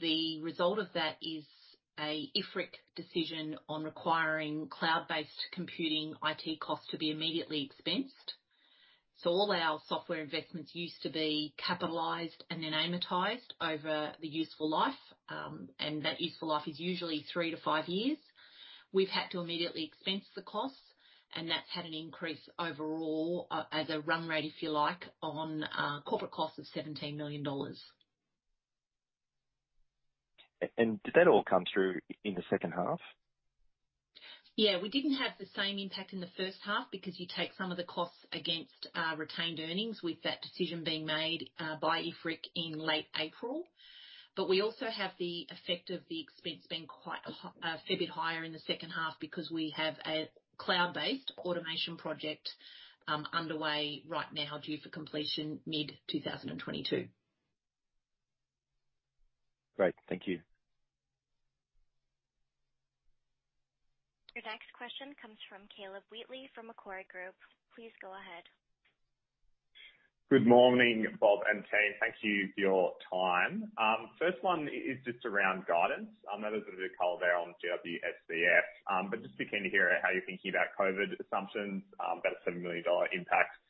The result of that is an IFRIC decision on requiring cloud-based computing IT costs to be immediately expensed. All our software investments used to be capitalized and then amortized over the useful life. That useful life is usually three to five years. We've had to immediately expense the costs, and that's had an increase overall, as a run rate, if you like, on corporate costs of 17 million dollars. Did that all come through in the second half? Yeah. We didn't have the same impact in the first half because you take some of the costs against retained earnings with that decision being made by IFRIC in late April. We also have the effect of the expense being quite a fair bit higher in the second half because we have a cloud-based automation project underway right now, due for completion mid-2022. Great. Thank you. Your next question comes from Caleb Wheatley from Macquarie Group. Please go ahead. Good morning, Bob and team. Thank you for your time. First one is just around guidance. I know there's a bit of color there on GWSCF, but just be keen to hear how you're thinking about COVID assumptions, about an 7 million dollar impact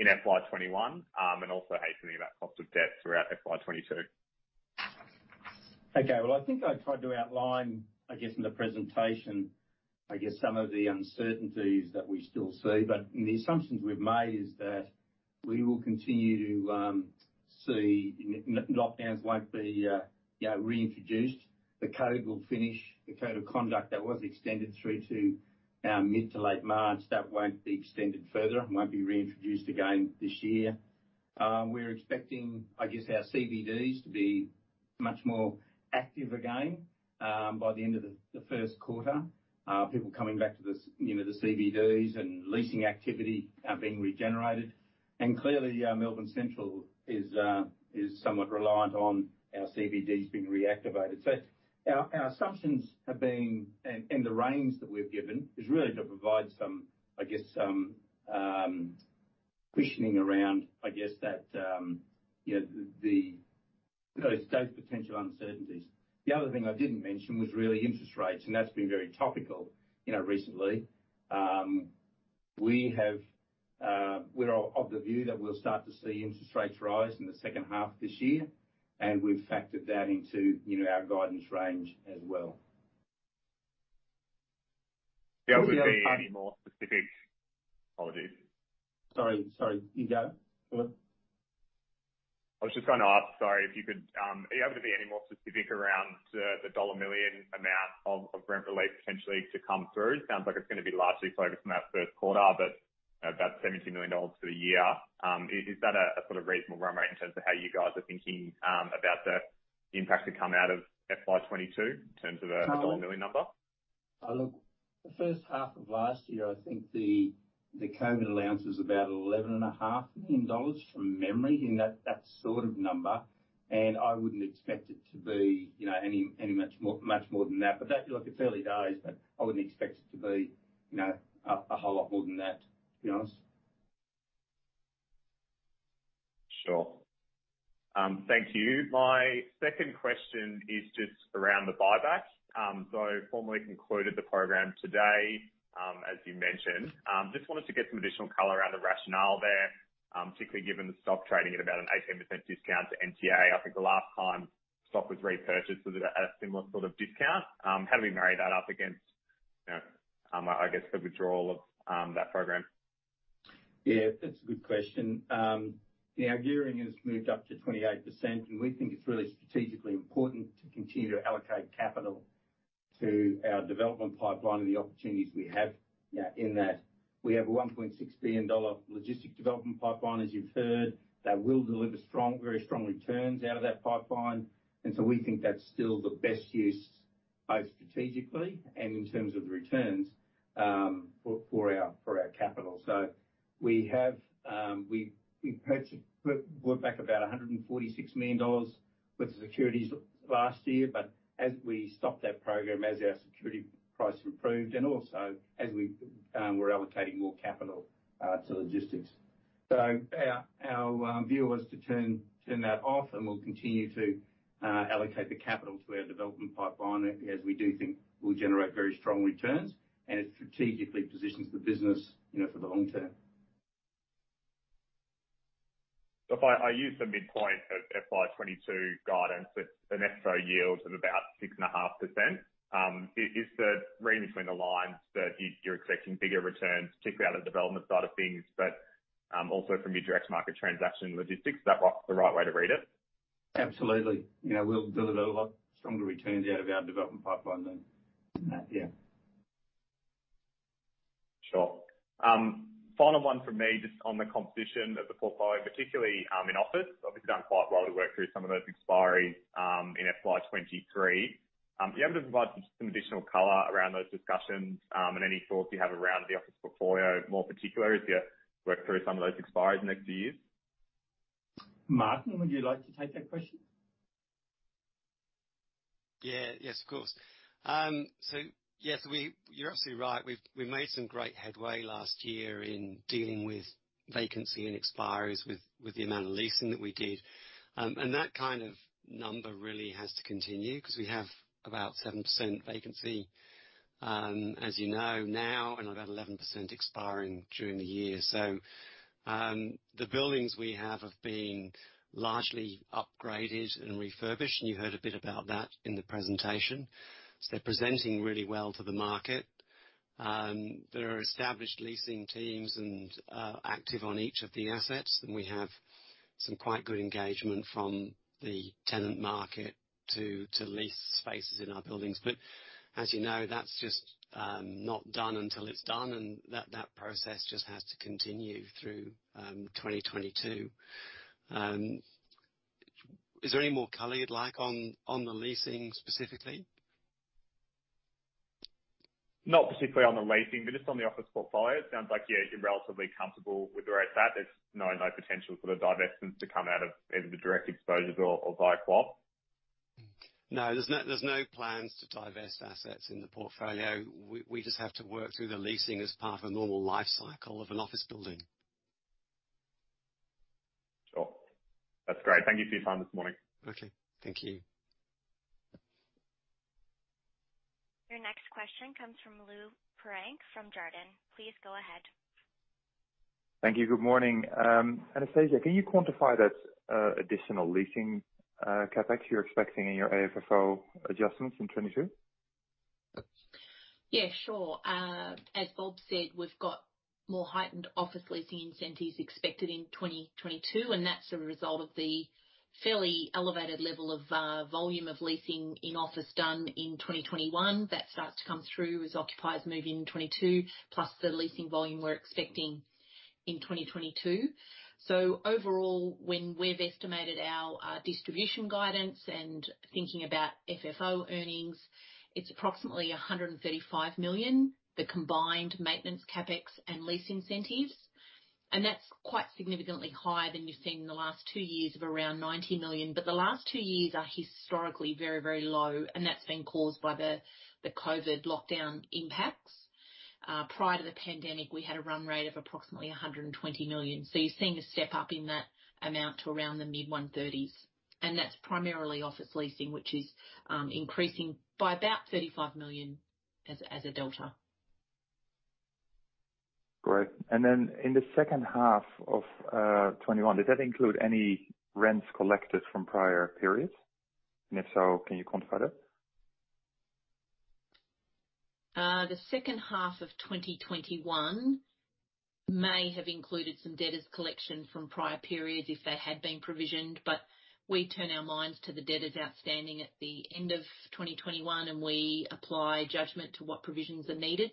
in FY 2021, and also how you're thinking about cost of debt throughout FY 2022. Okay. Well, I think I tried to outline, I guess, in the presentation, I guess, some of the uncertainties that we still see, but the assumptions we've made is that we will continue to see lockdowns won't be reintroduced. The Code of Conduct will finish. The Code of Conduct that was extended through to mid to late March won't be extended further and won't be reintroduced again this year. We're expecting, I guess, our CBDs to be much more active again by the end of the first quarter. People coming back to the CBDs, you know, and leasing activity are being regenerated. Clearly, Melbourne Central is somewhat reliant on our CBDs being reactivated. Our assumptions have been and the range that we've given is really to provide some I guess cushioning around I guess that you know the you know those potential uncertainties. The other thing I didn't mention was really interest rates, and that's been very topical you know recently. We are of the view that we'll start to see interest rates rise in the second half of this year, and we've factored that into you know our guidance range as well. Yeah. Are we being more specific? Apologies. Sorry, sorry. You go. I was just gonna ask, sorry if you could, are you able to be any more specific around the dollar million amount of rent relief potentially to come through? It sounds like it's gonna be largely focused in that first quarter, but about 72 million dollars for the year. Is that a sort of reasonable run rate in terms of how you guys are thinking about the impact to come out of FY 2022 in terms of a dollar million number? Look, the first half of last year, I think the COVID allowance was about 11.5 million dollars from memory, in that sort of number. I wouldn't expect it to be, you know, any much more than that. Look, it's early days, but I wouldn't expect it to be, you know, a whole lot more than that, to be honest. Sure. Thank you. My second question is just around the buyback. Formally concluded the program today, as you mentioned. Just wanted to get some additional color around the rationale there, particularly given the stock trading at about an 18% discount to NTA. I think the last time stock was repurchased was at a similar sort of discount. How do we marry that up against, you know, I guess the withdrawal of that program? Yeah, that's a good question. Our gearing has moved up to 28%, and we think it's really strategically important to continue to allocate capital to our development pipeline and the opportunities we have, you know, in that. We have a 1.6 billion dollar logistics development pipeline, as you've heard, that will deliver strong, very strong returns out of that pipeline. We think that's still the best use, both strategically and in terms of the returns, for our capital. We brought back about 146 million dollars worth of securities last year. We stopped that program as our security price improved, and also as we're allocating more capital to logistics. Our view was to turn that off, and we'll continue to allocate the capital to our development pipeline, as we do think we'll generate very strong returns, and it strategically positions the business, you know, for the long term. If I use the midpoint of FY 2022 guidance, it's an FFO yield of about 6.5%. Is the read between the lines that you're expecting bigger returns, particularly out of the development side of things, but also from your direct market transaction logistics, is that the right way to read it? Absolutely. You know, we'll deliver a lot stronger returns out of our development pipeline then. Yeah. Sure. Final one from me, just on the composition of the portfolio, particularly, in office. Obviously done quite well to work through some of those expiries, in FY 2023. Are you able to provide some additional color around those discussions, and any thoughts you have around the office portfolio more particularly as you work through some of those expiries in the next few years? Martin, would you like to take that question? Yeah. Yes, of course. You're absolutely right. We've made some great headway last year in dealing with vacancy and expiries with the amount of leasing that we did. That kind of number really has to continue 'cause we have about 7% vacancy, as you know now, and about 11% expiring during the year. The buildings we have been largely upgraded and refurbished, and you heard a bit about that in the presentation. They're presenting really well to the market. There are established leasing teams and active on each of the assets, and we have some quite good engagement from the tenant market to lease spaces in our buildings. As you know, that's just not done until it's done and that process just has to continue through 2022. Is there any more color you'd like on the leasing specifically? Not specifically on the leasing, but just on the office portfolio. It sounds like, yeah, you're relatively comfortable with where it's at. There's no potential for the divestments to come out of either the direct exposures or GWOF. No, there's no plans to divest assets in the portfolio. We just have to work through the leasing as part of a normal life cycle of an office building. Sure. That's great. Thank you for your time this morning. Okay. Thank you. Your next question comes from Lou Pirenc from Jarden. Please go ahead. Thank you. Good morning. Anastasia, can you quantify that additional leasing CapEx you're expecting in your AFFO adjustments in 2022? Yeah, sure. As Bob said, we've got more heightened office leasing incentives expected in 2022, and that's a result of the- Fairly elevated level of volume of leasing in office done in 2021. That starts to come through as occupiers move in 2022, plus the leasing volume we're expecting in 2022. Overall, when we've estimated our distribution guidance and thinking about FFO earnings, it's approximately 135 million, the combined maintenance CapEx and lease incentives. That's quite significantly higher than you've seen in the last two years of around 90 million. The last two years are historically very, very low, and that's been caused by the COVID lockdown impacts. Prior to the pandemic, we had a run rate of approximately 120 million. You're seeing a step up in that amount to around the mid 130s, and that's primarily office leasing, which is increasing by about 35 million as a delta. Great. In the second half of 2021, does that include any rents collected from prior periods? If so, can you quantify that? The second half of 2021 may have included some debtors collection from prior periods if they had been provisioned, but we turn our minds to the debtors outstanding at the end of 2021, and we apply judgment to what provisions are needed.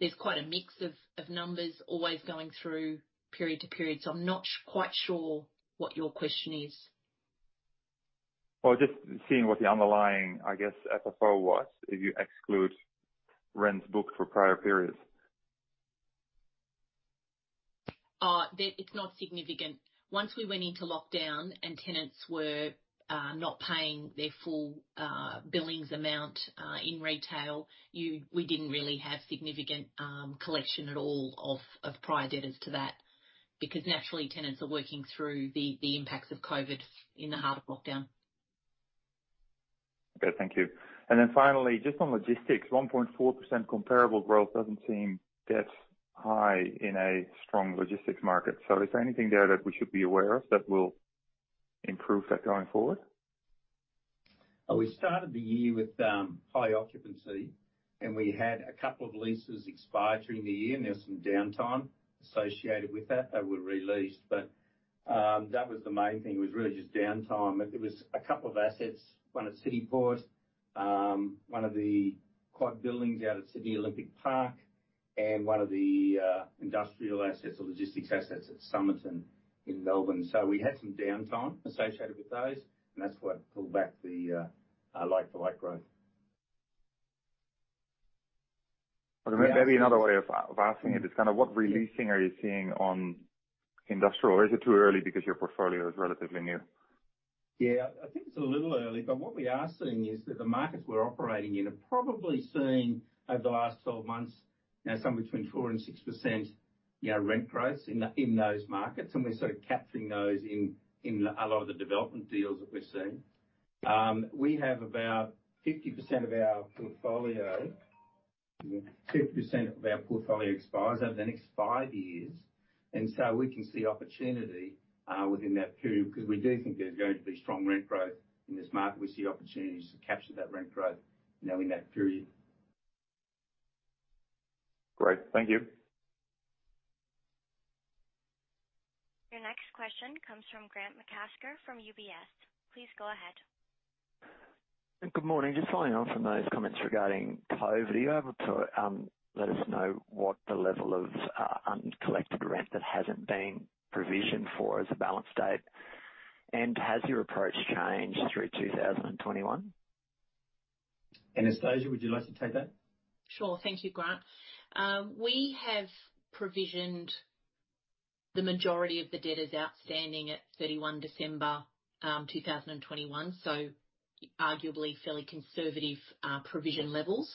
There's quite a mix of numbers always going through period to period. I'm not quite sure what your question is. Well, just seeing what the underlying, I guess, FFO was, if you exclude rents booked for prior periods? It's not significant. Once we went into lockdown and tenants were not paying their full billings amount in retail, we didn't really have significant collection at all of prior debtors to that. Because naturally, tenants are working through the impacts of COVID in the heart of lockdown. Okay. Thank you. Finally, just on logistics, 1.4% comparable growth doesn't seem that high in a strong logistics market. Is there anything there that we should be aware of that will improve that going forward? We started the year with high occupancy, and we had a couple of leases expire during the year, and there was some downtime associated with that. They were re-leased, but that was the main thing. It was really just downtime. There was a couple of assets, one at CityPort, one of the quad buildings out at Sydney Olympic Park and one of the industrial assets or logistics assets at Somerton in Melbourne. We had some downtime associated with those, and that's what pulled back the like-for-like growth. Maybe another way of asking it is kind of what re-leasing are you seeing on industrial or is it too early because your portfolio is relatively new? Yeah. I think it's a little early, but what we are seeing is that the markets we're operating in are probably seeing over the last 12 months, you know, somewhere between 4%-6%, you know, rent growth in those markets. We're sort of capturing those in a lot of the development deals that we're seeing. We have about 50% of our portfolio expires over the next five years, and so we can see opportunity within that period, because we do think there's going to be strong rent growth in this market. We see opportunities to capture that rent growth, you know, in that period. Great. Thank you. Your next question comes from Grant McCasker from UBS. Please go ahead. Good morning. Just following on from those comments regarding COVID, are you able to let us know what the level of uncollected rent that hasn't been provisioned for as a balance date? Has your approach changed through 2021? Anastasia, would you like to take that? Sure. Thank you, Grant. We have provisioned the majority of the debtors outstanding at 31 December 2021, so arguably fairly conservative provision levels.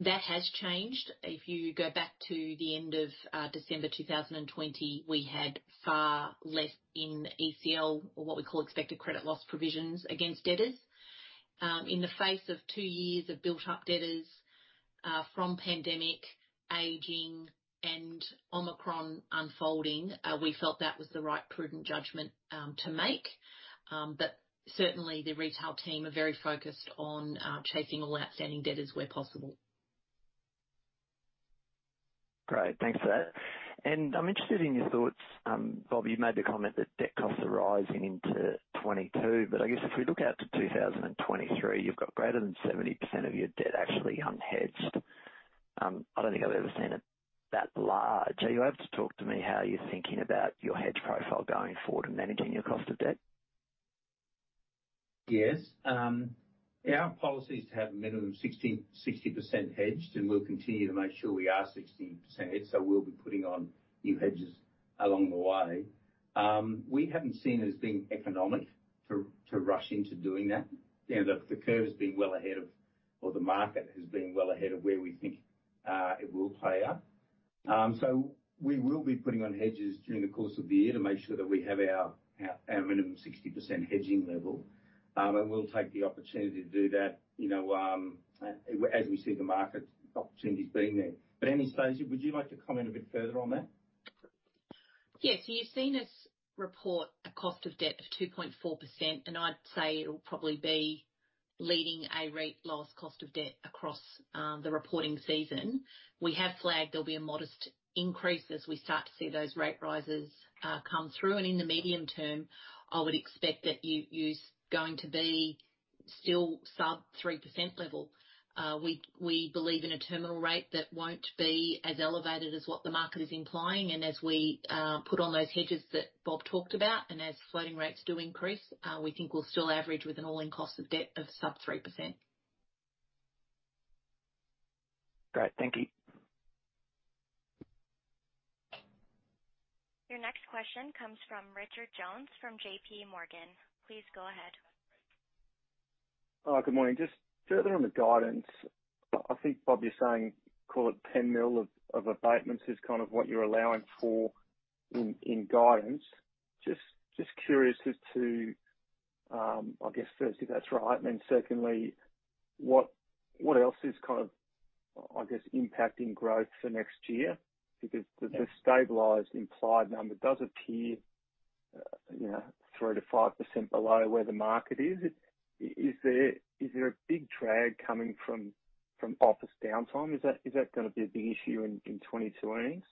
That has changed. If you go back to the end of December 2020, we had far less in ECL or what we call expected credit loss provisions against debtors. In the face of two years of built up debtors from pandemic, aging, and Omicron unfolding, we felt that was the right prudent judgment to make. Certainly the retail team are very focused on chasing all outstanding debtors where possible. Great. Thanks for that. I'm interested in your thoughts, Bob, you made the comment that debt costs are rising into 2022, but I guess if we look out to 2023, you've got greater than 70% of your debt actually unhedged. I don't think I've ever seen it that large. Are you able to talk to me how you're thinking about your hedge profile going forward and managing your cost of debt? Yes. Our policy is to have a minimum 60% hedged, and we'll continue to make sure we are 60% hedged, so we'll be putting on new hedges along the way. We haven't seen it as being economic to rush into doing that. You know, the market has been well ahead of where we think it will play out. So we will be putting on hedges during the course of the year to make sure that we have our minimum 60% hedging level. And we'll take the opportunity to do that, you know, as we see the market opportunities being there. Anastasia, would you like to comment a bit further on that? Yes. You've seen us report a cost of debt of 2.4%, and I'd say it'll probably be leading the low-rate cost of debt across the reporting season. We have flagged there'll be a modest increase as we start to see those rate rises come through. In the medium term, I would expect that it's going to be still sub-3% level. We believe in a terminal rate that won't be as elevated as what the market is implying. As we put on those hedges that Bob talked about and as floating rates do increase, we think we'll still average with an all-in cost of debt of sub-3%. Great. Thank you. Your next question comes from Richard Jones from JPMorgan. Please go ahead. Good morning. Just further on the guidance. I think, Bob, you're saying, call it 10 million of abatements is kind of what you're allowing for in guidance. Just curious as to, I guess, first if that's right. Then secondly, what else is kind of, I guess, impacting growth for next year? Because the stabilized implied number does appear, you know, 3%-5% below where the market is. Is there a big drag coming from office downtime? Is that gonna be a big issue in 2022 earnings?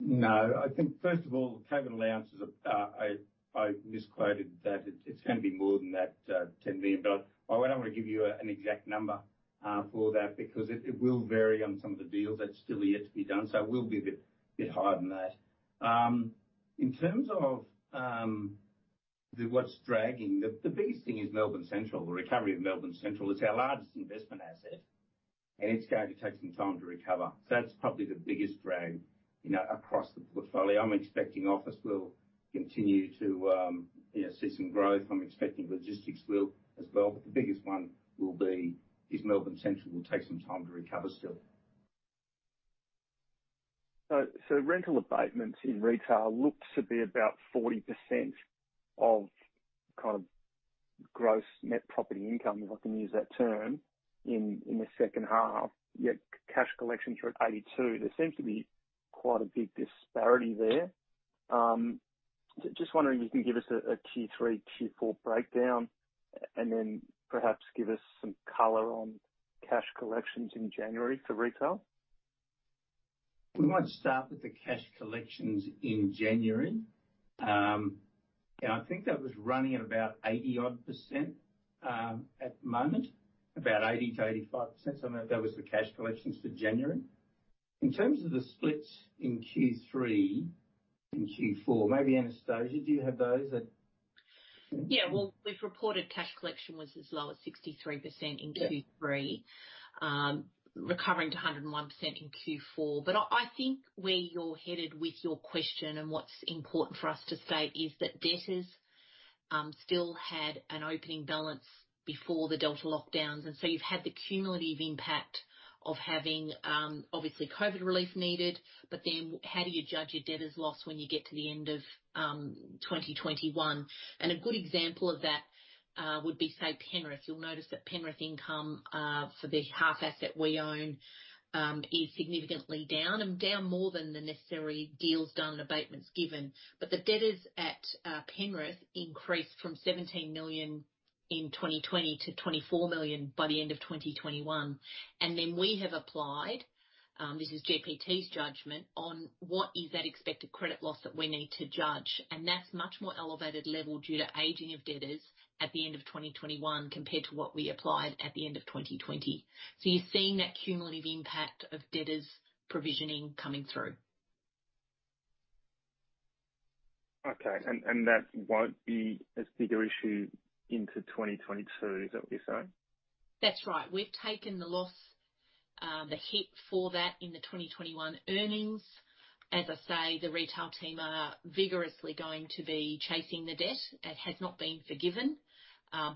No. I think first of all, COVID allowances are-I misquoted that. It's gonna be more than that, 10 million. I wouldn't wanna give you an exact number for that because it will vary on some of the deals that's still yet to be done. It will be a bit higher than that. In terms of what's dragging, the biggest thing is Melbourne Central. The recovery of Melbourne Central. It's our largest investment asset, and it's going to take some time to recover. That's probably the biggest drag, you know, across the portfolio. I'm expecting office will continue to, you know, see some growth. I'm expecting logistics will as well. The biggest one will be Melbourne Central will take some time to recover still. Rental abatements in retail looks to be about 40% of kind of gross net property income, if I can use that term, in the second half, yet cash collections are at 82%. There seems to be quite a big disparity there. Just wondering if you can give us a Q3, Q4 breakdown and then perhaps give us some color on cash collections in January for retail. We might start with the cash collections in January. I think that was running at about 80 odd percent at the moment. About 80%-85%. That was the cash collections for January. In terms of the splits in Q3 and Q4, maybe, Anastasia, do you have those at- Yeah. Well, we've reported cash collection was as low as 63% in Q3. Yeah. Recovering to 101% in Q4. I think where you're headed with your question and what's important for us to state is that debtors still had an opening balance before the Delta lockdowns, and so you've had the cumulative impact of having obviously COVID relief needed. Then how do you judge your debtors loss when you get to the end of 2021? A good example of that would be, say, Penrith. You'll notice that Penrith income for the half asset we own is significantly down and down more than the necessary deals done and abatements given. The debtors at Penrith increased from 17 million in 2020 to 24 million by the end of 2021. We have applied this is GPT's judgment on what is that expected credit loss that we need to judge. That's much more elevated level due to aging of debtors at the end of 2021, compared to what we applied at the end of 2020. You're seeing that cumulative impact of debtors provisioning coming through. Okay. That won't be as big an issue into 2022, is that what you're saying? That's right. We've taken the loss, the hit for that in the 2021 earnings. As I say, the retail team are vigorously going to be chasing the debt. It has not been forgiven,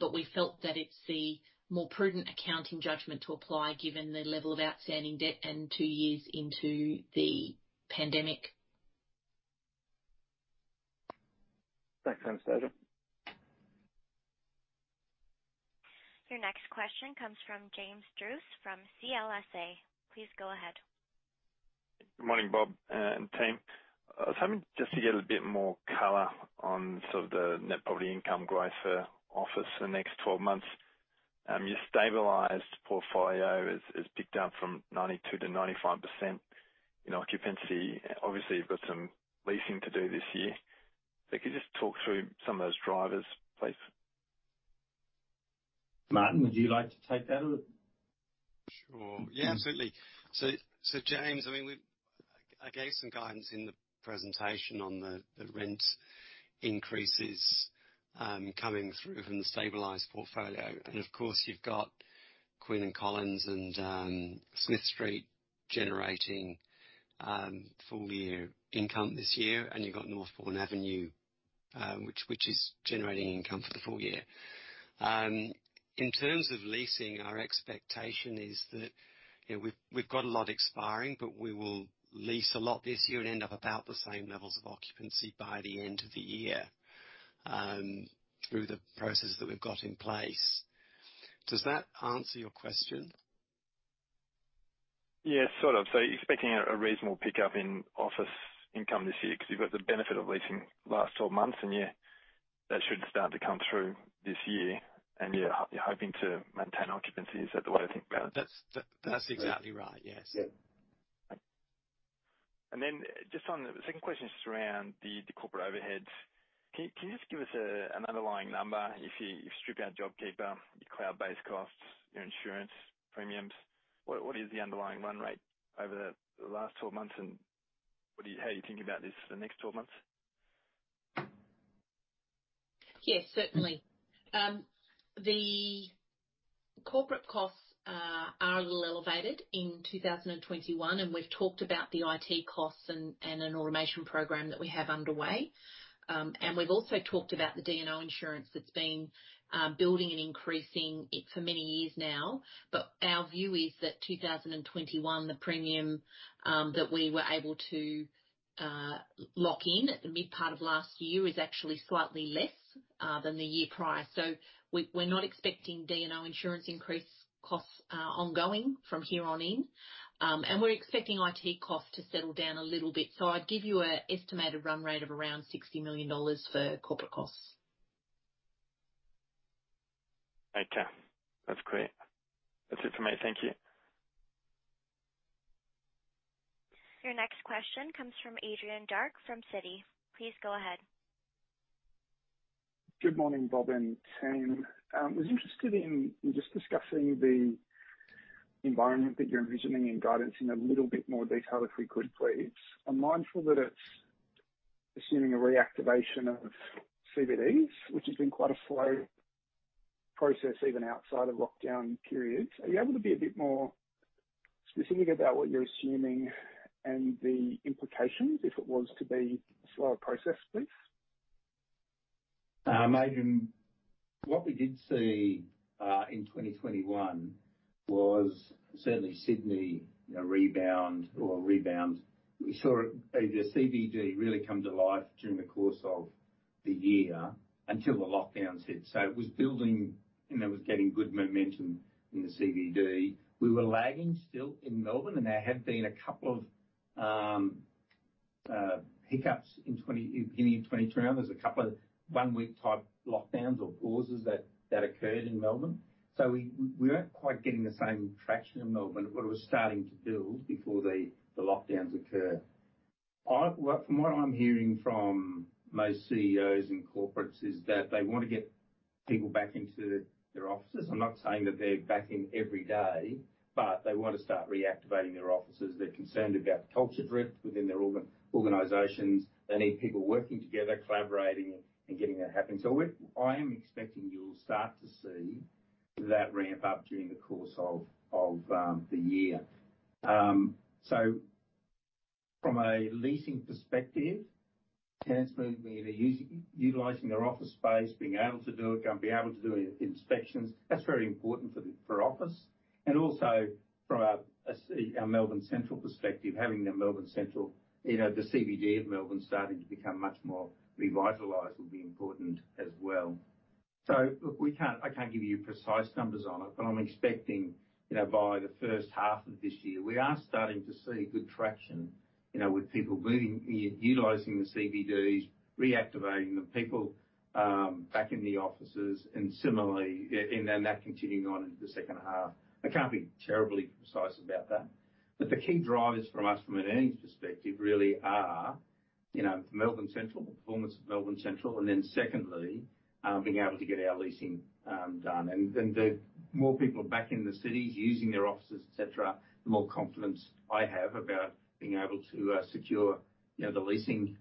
but we felt that it's the more prudent accounting judgment to apply given the level of outstanding debt and two years into the pandemic. Thanks, Anastasia. Your next question comes from James Druce from CLSA. Please go ahead. Good morning, Bob and team. I was hoping just to get a bit more color on sort of the net property income growth for office, the next 12 months. Your stabilized portfolio has ticked up from 92%-95% in occupancy. Obviously, you've got some leasing to do this year. If you could just talk through some of those drivers, please. Martin, would you like to take that a little? Sure. Yeah, absolutely. James, I mean, I gave some guidance in the presentation on the rent increases coming through from the stabilized portfolio. Of course, you've got Queen and Collins and 32 Smith Street generating full year income this year, and you've got Northbourne Avenue, which is generating income for the full year. In terms of leasing, our expectation is that you know, we've got a lot expiring, but we will lease a lot this year and end up about the same levels of occupancy by the end of the year through the process that we've got in place. Does that answer your question? Yeah, sort of. You're expecting a reasonable pickup in office income this year because you've got the benefit of leasing last 12 months, and yeah, that should start to come through this year and you're hoping to maintain occupancy. Is that the way to think about it? That's exactly right, yes. Then just on the second question, just around the corporate overheads. Can you just give us an underlying number if you strip out JobKeeper, your cloud-based costs, your insurance premiums, what is the underlying run rate over the last 12 months and what do you. How are you thinking about this for the next 12 months? Yes, certainly. The corporate costs are a little elevated in 2021, and we've talked about the IT costs and an automation program that we have underway. We've also talked about the D&O insurance that's been building and increasing it for many years now. Our view is that in 2021, the premium that we were able to lock in at the mid part of last year is actually slightly less than the year prior. We're not expecting D&O insurance increase costs ongoing from here on in. We're expecting IT costs to settle down a little bit. I'd give you an estimated run rate of around 60 million dollars for corporate costs. Okay. That's clear. That's it for me. Thank you. Your next question comes from Adrian Dark from Citi. Please go ahead. Good morning, Bob and team. I was interested in just discussing the environment that you're envisioning and guidance in a little bit more detail, if we could, please. I'm mindful that it's assuming a reactivation of CBDs, which has been quite a slow process, even outside of lockdown periods. Are you able to be a bit more specific about what you're assuming and the implications if it was to be a slower process, please? Adrian, what we did see in 2021 was certainly Sydney, you know, rebound. We saw it, the CBD really come to life during the course of the year until the lockdowns hit. It was building and it was getting good momentum in the CBD. We were lagging still in Melbourne, and there have been a couple of hiccups in 2022, beginning of 2023 around. There's a couple of one-week type lockdowns or pauses that occurred in Melbourne. We weren't quite getting the same traction in Melbourne, but it was starting to build before the lockdowns occurred. Well, from what I'm hearing from most CEOs and corporates is that they want to get people back into their offices. I'm not saying that they're back in every day, but they want to start reactivating their offices. They're concerned about culture drift within their organizations. They need people working together, collaborating and getting that happening. I am expecting you'll start to see that ramp up during the course of the year. From a leasing perspective, tenants moving in and utilizing their office space, being able to do it, gonna be able to do inspections, that's very important for office. Also from a CBD, our Melbourne Central perspective, having the Melbourne Central, you know, the CBD of Melbourne starting to become much more revitalized will be important as well. Look, I can't give you precise numbers on it, but I'm expecting, you know, by the first half of this year, we are starting to see good traction, you know, with people moving, utilizing the CBDs, reactivating them, people back in the offices and similarly, and then that continuing on into the second half. I can't be terribly precise about that. The key drivers for us from an earnings perspective really are, you know, Melbourne Central, the performance of Melbourne Central, and then secondly, being able to get our leasing done. Then the more people back in the cities using their offices, et cetera, the more confidence I have about being able to secure, you know, the leasing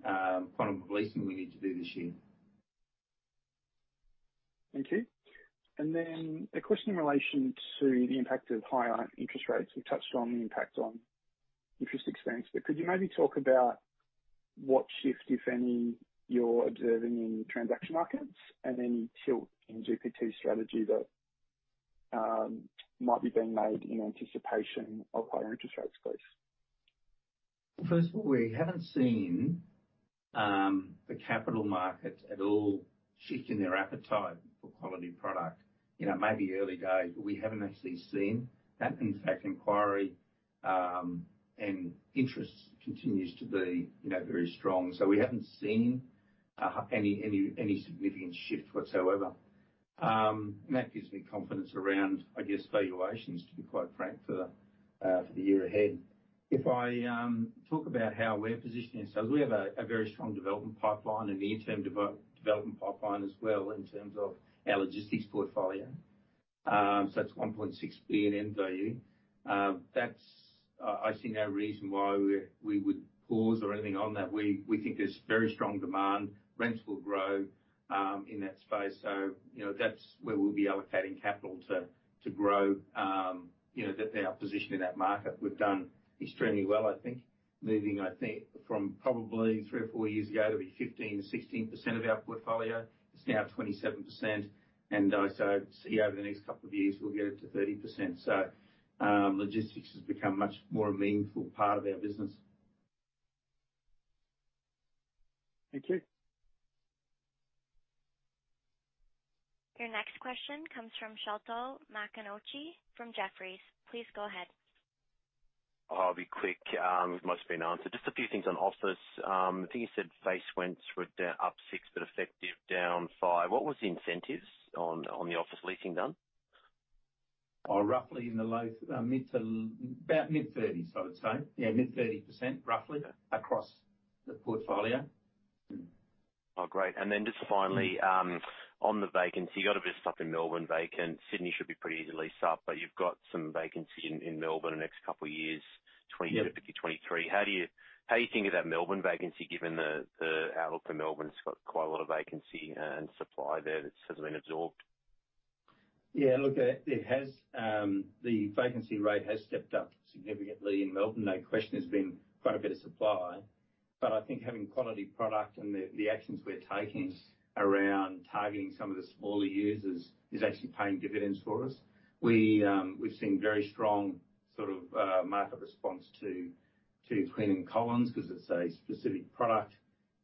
quantum of leasing we need to do this year. Thank you. A question in relation to the impact of higher interest rates. We've touched on the impact on interest expense, but could you maybe talk about what shift, if any, you're observing in transaction markets and any tilt in GPT strategy that might be being made in anticipation of higher interest rates, please? First of all, we haven't seen the capital markets at all shift in their appetite for quality product. You know, it may be early days, but we haven't actually seen that. In fact, inquiry and interest continues to be, you know, very strong. We haven't seen any significant shift whatsoever. That gives me confidence around, I guess, valuations, to be quite frank for the year ahead. If I talk about how we're positioning ourselves, we have a very strong development pipeline and near-term development pipeline as well in terms of our logistics portfolio. That's 1.6 billion in value. I see no reason why we would pause or anything on that. We think there's very strong demand. Rents will grow in that space. You know, that's where we'll be allocating capital to to grow you know our position in that market. We've done extremely well, I think, moving, I think from probably three or four years ago to be 15%-16% of our portfolio. It's now 27%. See over the next couple of years we'll get it to 30%. Logistics has become much more a meaningful part of our business. Thank you. Your next question comes from Sholto Maconochie from Jefferies. Please go ahead. I'll be quick. It must have been answered. Just a few things on office. I think you said face rents were up 6%, but effective down 5%. What was the incentives on the office leasing done? Oh, roughly in the low- to mid-30s, I would say. Yeah, mid-30% roughly across the portfolio. Oh, great. Just finally, on the vacancy, you got a bit of stuff in Melbourne vacant. Sydney should be pretty easily leased up, but you've got some vacancy in Melbourne the next couple of years, [inaudible] 2023. How do you think of that Melbourne vacancy, given the outlook for Melbourne? It's got quite a lot of vacancy and supply there that hasn't been absorbed. Yeah. Look, it has the vacancy rate has stepped up significantly in Melbourne. No question there's been quite a bit of supply. I think having quality product and the actions we're taking around targeting some of the smaller users is actually paying dividends for us. We've seen very strong market response to Queen and Collins because it's a specific product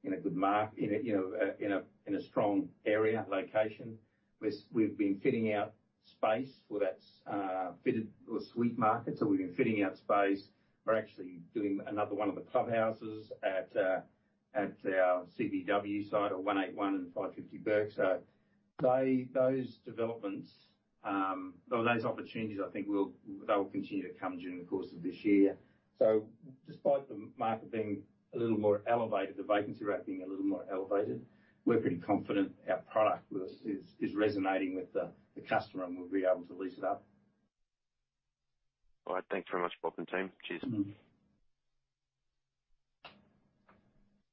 in a good market in a strong area, location. We've been fitting out space for that fitted office suite market. So we've been fitting out space. We're actually doing another one of the Clubhouses at our CBW site or 181 and 550 Bourke. So those developments or those opportunities I think will continue to come during the course of this year. Despite the market being a little more elevated, the vacancy rate being a little more elevated, we're pretty confident our product with this is resonating with the customer, and we'll be able to lease it up. All right. Thanks very much, [inaudible] team. [inaudible] Mm-hmm.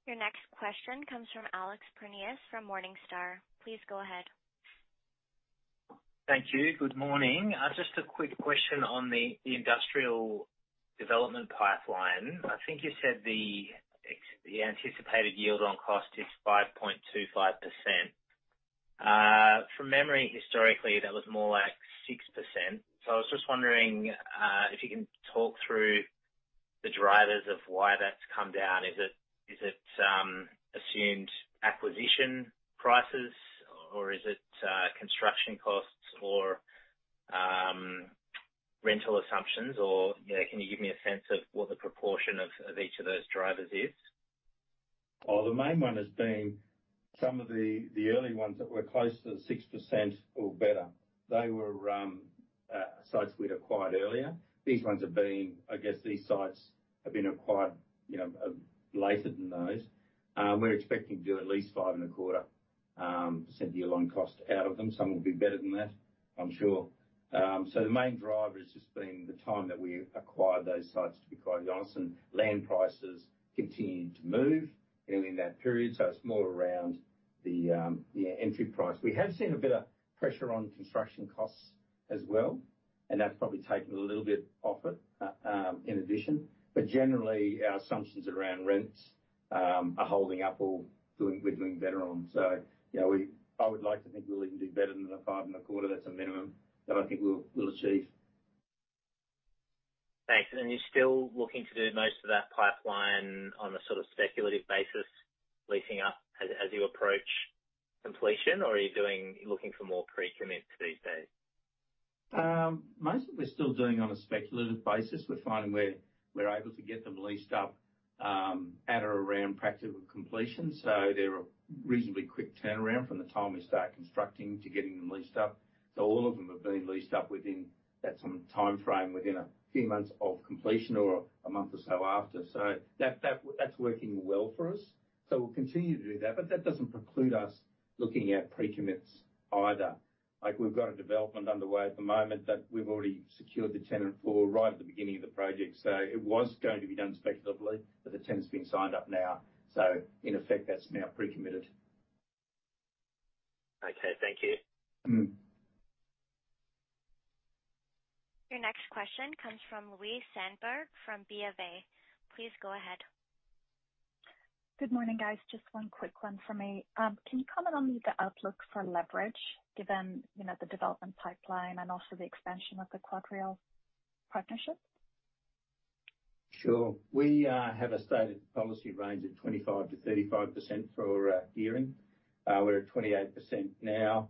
Your next question comes from Alex Prineas from Morningstar. Please go ahead. Thank you. Good morning. Just a quick question on the industrial development pipeline. I think you said the anticipated yield on cost is 5.25%. From memory, historically, that was more like 6%. I was just wondering if you can talk through the drivers of why that's come down. Is it assumed acquisition prices or is it construction costs or rental assumptions or, you know, can you give me a sense of what the proportion of each of those drivers is? Well, the main one has been some of the early ones that were close to the 6% or better. They were sites we'd acquired earlier. These sites have been acquired, you know, later than those. We're expecting to do at least 5.25% year on cost out of them. Some will be better than that, I'm sure. The main driver has just been the time that we acquired those sites, to be quite honest, and land prices continued to move early in that period. It's more around the entry price. We have seen a bit of pressure on construction costs as well, and that's probably taken a little bit off it in addition. Generally, our assumptions around rents are holding up or we're doing better on. You know, I would like to think we'll even do better than 5.25%. That's a minimum that I think we'll achieve. Thanks. Are you still looking to do most of that pipeline on a sort of speculative basis, leasing up as you approach completion, or are you looking for more pre-commits these days? Most of what we're still doing on a speculative basis. We're finding we're able to get them leased up at or around practical completion. They're a reasonably quick turnaround from the time we start constructing to getting them leased up. All of them have been leased up within that same timeframe, within a few months of completion or a month or so after. That's working well for us. We'll continue to do that. That doesn't preclude us looking at pre-commits either. Like, we've got a development underway at the moment that we've already secured the tenant for right at the beginning of the project. It was going to be done speculatively, but the tenant's been signed up now. In effect, that's now pre-committed. Okay. Thank you. Mm-hmm. Your next question comes from Louise Sandberg from BofA. Please go ahead. Good morning, guys. Just one quick one for me. Can you comment on the outlook for leverage given, you know, the development pipeline and also the expansion of the QuadReal partnership? Sure. We have a stated policy range of 25%-35% for gearing. We're at 28% now.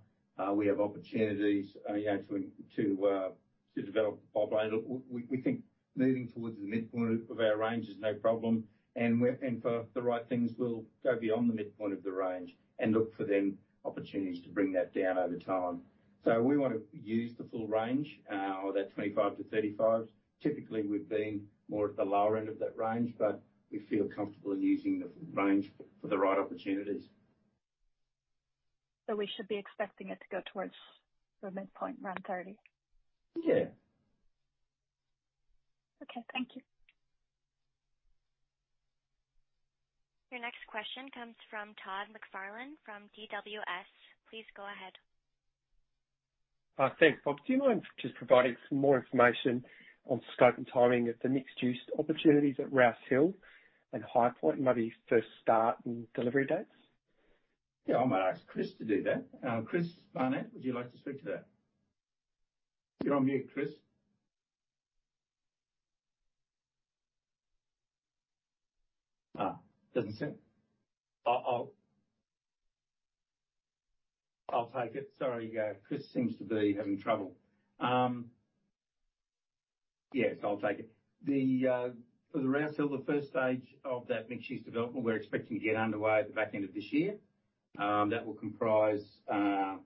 We have opportunities, you know, to develop pipeline. Look, we think moving towards the midpoint of our range is no problem. For the right things, we'll go beyond the midpoint of the range and look for then opportunities to bring that down over time. We want to use the full range of that 25%-35%. Typically, we've been more at the lower end of that range, but we feel comfortable in using the range for the right opportunities. We should be expecting it to go towards the midpoint around 30%? Yeah. Okay. Thank you. Your next question comes from Todd McFarlane from DWS. Please go ahead. Thanks, Bob. Do you mind just providing some more information on scope and timing of the mixed-use opportunities at Rouse Hill and Highpoint, maybe first start and delivery dates? Yeah, I might ask Chris to do that. Chris Barnett, would you like to speak to that? You're on mute, Chris. Doesn't seem... I'll take it. Sorry, Chris seems to be having trouble. Yes, I'll take it. The for the Rouse Hill, the first stage of that mixed-use development we're expecting to get underway at the back end of this year. That will comprise 10,000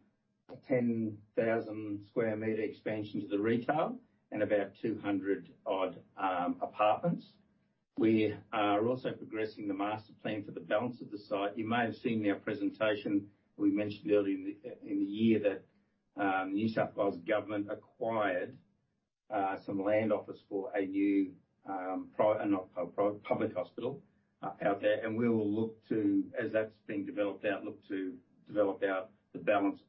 sq m expansion to the retail and about 200 apartments. We are also progressing the master plan for the balance of the site. You may have seen in our presentation we mentioned earlier in the year that New South Wales Government acquired some land office for a new public hospital out there. We will look to, as that's being developed out, look to develop out the balance.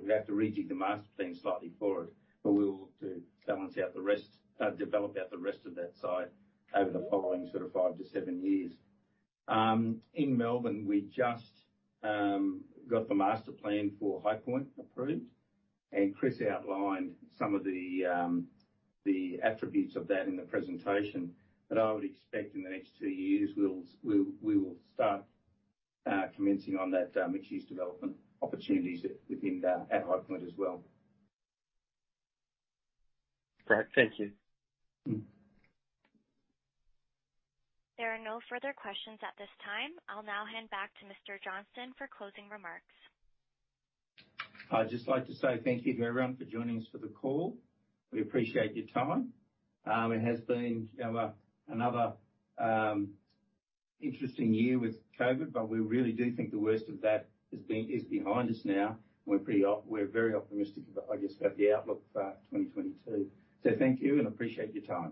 We have to rejig the master plan slightly for it, but we will look to develop out the rest of that site over the following sort of five-seven years. In Melbourne, we just got the master plan for Highpoint approved, and Chris outlined some of the attributes of that in the presentation. I would expect in the next two years we will start commencing on that mixed-use development opportunities at Highpoint as well. Great. Thank you. Mm-hmm. There are no further questions at this time. I'll now hand back to Mr. Johnston for closing remarks. I'd just like to say thank you to everyone for joining us for the call. We appreciate your time. It has been, you know, another interesting year with COVID, but we really do think the worst of that is behind us now. We're very optimistic about, I guess, about the outlook for 2022. Thank you and appreciate your time.